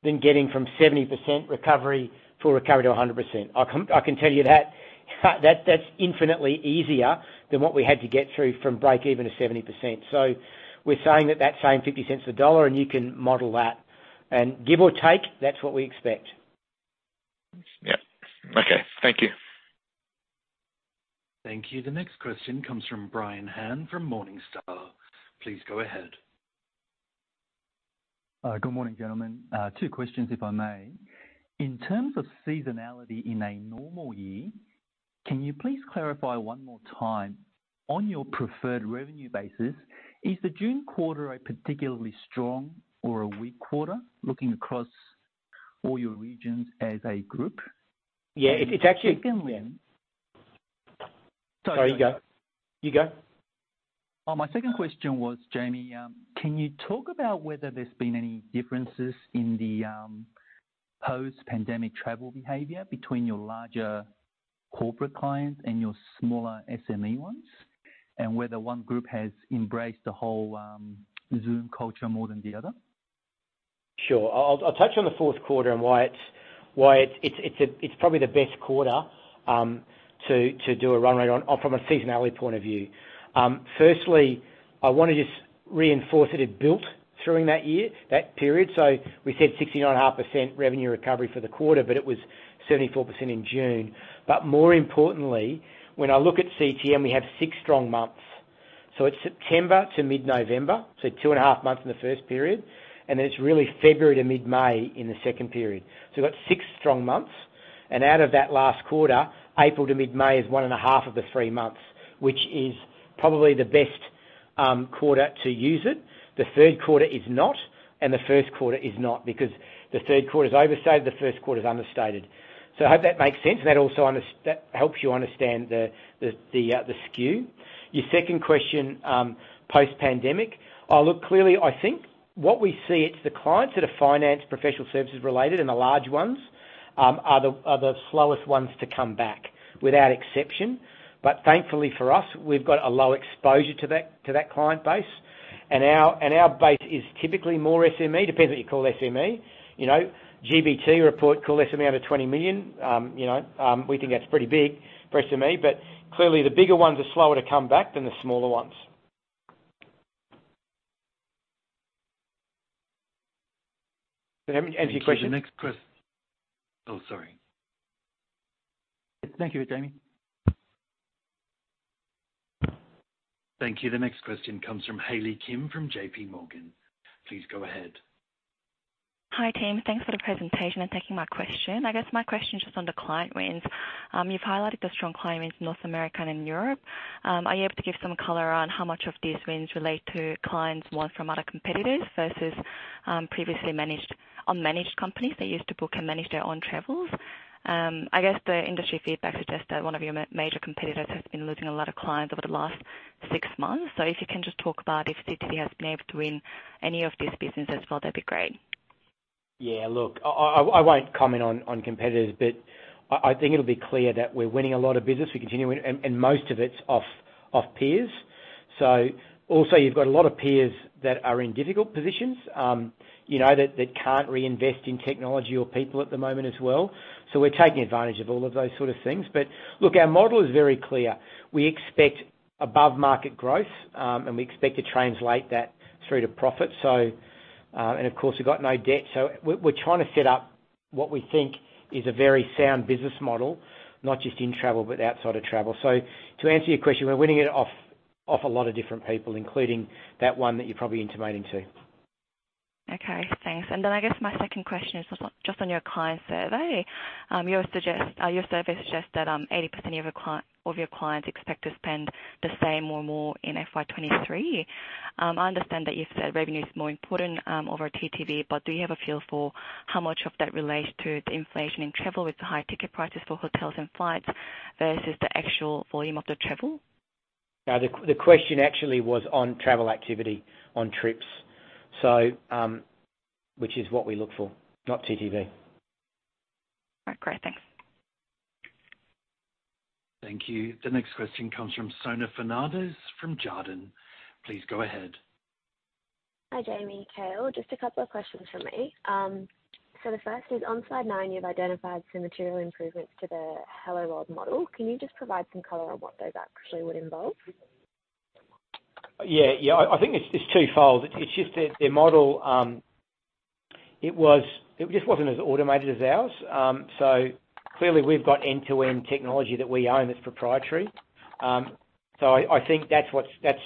than getting from 70% full recovery to 100%. I can tell you that. That's infinitely easier than what we had to get through from break-even to 70%. We're saying that that same 0.50 a AUD 1, and you can model that. And give or take, that's what we expect. Yep. Okay. Thank you. Thank you. The next question comes from Brian Han from Morningstar. Please go ahead. Good morning, gentlemen. Two questions, if I may. In terms of seasonality in a normal year, can you please clarify one more time on your preferred revenue basis? Is the June quarter a particularly strong or a weak quarter looking across all your regions as a group? Yeah. It's actually. Second, Liam. Sorry. Sorry. You go. My second question was, Jamie, can you talk about whether there's been any differences in the post-pandemic travel behavior between your larger corporate clients and your smaller SME ones, and whether one group has embraced the whole Zoom culture more than the other? Sure. I'll touch on the fourth quarter and why it's probably the best quarter to do a runway from a seasonality point of view. Firstly, I want to just reinforce that it built throughout that period. We said 69.5% revenue recovery for the quarter, but it was 74% in June. More importantly, when I look at CTM, we have six strong months. It's September to mid-November, so two and a half months in the first period. Then it's really February to mid-May in the second period. We've got six strong months. Out of that last quarter, April to mid-May is one and a half of the three months, which is probably the best quarter to use it. The third quarter is not, and the first quarter is not because the third quarter's overstated, the first quarter's understated. I hope that makes sense, and that helps you understand the skew. Your second question, post-pandemic, clearly, I think what we see is the clients that are finance, professional services related, and the large ones are the slowest ones to come back, without exception. Thankfully for us, we've got a low exposure to that client base. Our base is typically more SME. It depends what you call SME. GBT report calls SME out of 20 million. We think that's pretty big for SME. Clearly, the bigger ones are slower to come back than the smaller ones. Does that answer your question? Thank you. The next question. Oh, sorry. Thank you, Jamie. Thank you. The next question comes from Hayley Kim from JP Morgan. Please go ahead. Hi, Tim. Thanks for the presentation and taking my question. I guess my question's just on the client wins. You've highlighted the strong client wins in North America and in Europe. Are you able to give some color on how much of these wins relate to clients' wins from other competitors versus previously unmanaged companies that used to book and manage their own travels? I guess the industry feedback suggests that one of your major competitors has been losing a lot of clients over the last six months. If you can just talk about if CTM has been able to win any of these businesses as well, that'd be great. Yeah. Look, I won't comment on competitors, but I think it'll be clear that we're winning a lot of business. We continue winning, and most of it's off peers. Also, you've got a lot of peers that are in difficult positions that can't reinvest in technology or people at the moment as well. We're taking advantage of all of those sort of things. Look, our model is very clear. We expect above-market growth, and we expect to translate that through to profit. Of course, we've got no debt. We're trying to set up what we think is a very sound business model, not just in travel but outside of travel. To answer your question, we're winning it off a lot of different people, including that one that you're probably intimating to. Okay. Thanks. I guess my second question is just on your client survey. Your survey suggests that 80% of your clients expect to spend the same or more in FY23. I understand that you've said revenue's more important over TTV, but do you have a feel for how much of that relates to the inflation in travel with the high ticket prices for hotels and flights versus the actual volume of the travel? Yeah. The question actually was on travel activity, on trips, which is what we look for, not TTV. All right. Great. Thanks. Thank you. The next question comes from Sona Fernandez from Jarden. Please go ahead. Hi, Jamie. Cale, just a couple of questions from me. The first is, on slide 9, you've identified some material improvements to the Helloworld model. Can you just provide some color on what those actually would involve? Yeah. Yeah. I think it's two-fold. It's just that their model, it just wasn't as automated as ours. Clearly, we've got end-to-end technology that we own that's proprietary. I think that's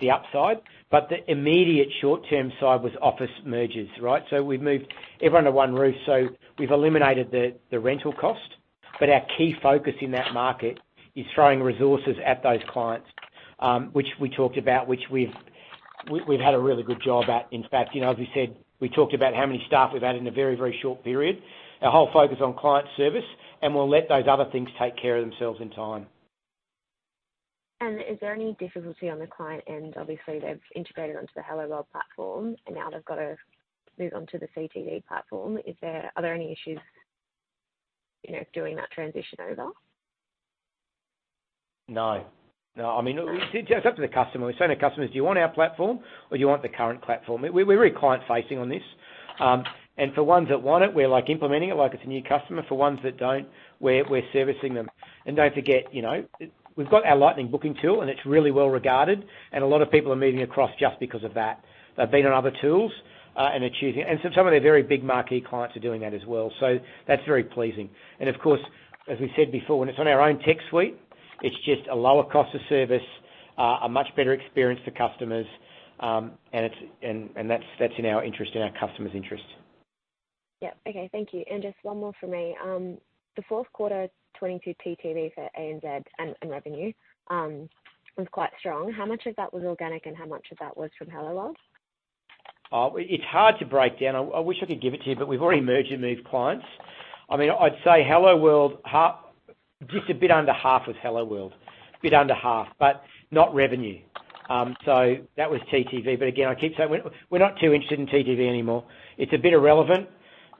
the upside. The immediate short-term side was office mergers, right? We've moved everyone under one roof. We've eliminated the rental cost. Our key focus in that market is throwing resources at those clients, which we talked about, which we've done a really good job at. In fact, as we said, we talked about how many staff we've had in a very, very short period, our whole focus on client service, and we'll let those other things take care of themselves in time. Is there any difficulty on the client end? Obviously, they've integrated onto the Helloworld platform, and now they've got to move onto the CTM platform. Are there any issues doing that transition over? No. I mean, it's up to the customer. We're saying to customers, "Do you want our platform, or do you want the current platform?" We're really client-facing on this. For ones that want it, we're implementing it like it's a new customer. For ones that don't, we're servicing them. Don't forget, we've got our Lightning booking tool, and it's really well regarded. A lot of people are moving across just because of that. They've been on other tools, and some of their very big marquee clients are doing that as well. That's very pleasing. Of course, as we said before, when it's on our own tech suite, it's just a lower cost of service, a much better experience for customers, and that's in our interest, in our customer's interest. Yep. Okay. Thank you. Just one more for me. The fourth quarter 2022 TTV for ANZ and revenue was quite strong. How much of that was organic, and how much of that was from Helloworld? It's hard to break down. I wish I could give it to you, but we've already merged and moved clients. I mean, I'd say Helloworld, just a bit under half was Helloworld, a bit under half, but not revenue. That was TTV. Again, I keep saying we're not too interested in TTV anymore. It's a bit irrelevant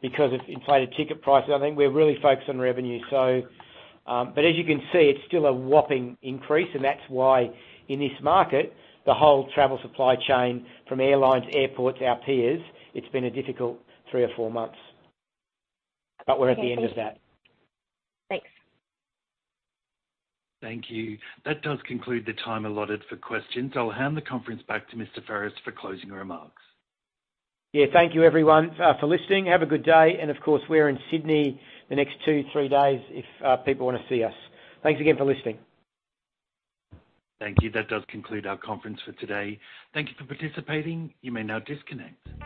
because of inflated ticket prices. I think we're really focused on revenue. As you can see, it's still a whopping increase, and that's why in this market, the whole travel supply chain from airlines, airports, our peers, it's been a difficult three or four months. We're at the end of that. Okay. Thank you. Thanks. Thank you. That does conclude the time allotted for questions. I'll hand the conference back to Mr. Pherous for closing remarks. Yeah. Thank you, everyone, for listening. Have a good day. Of course, we're in Sydney the next 2, 3 days if people want to see us. Thanks again for listening. Thank you. That does conclude our conference for today. Thank you for participating. You may now disconnect.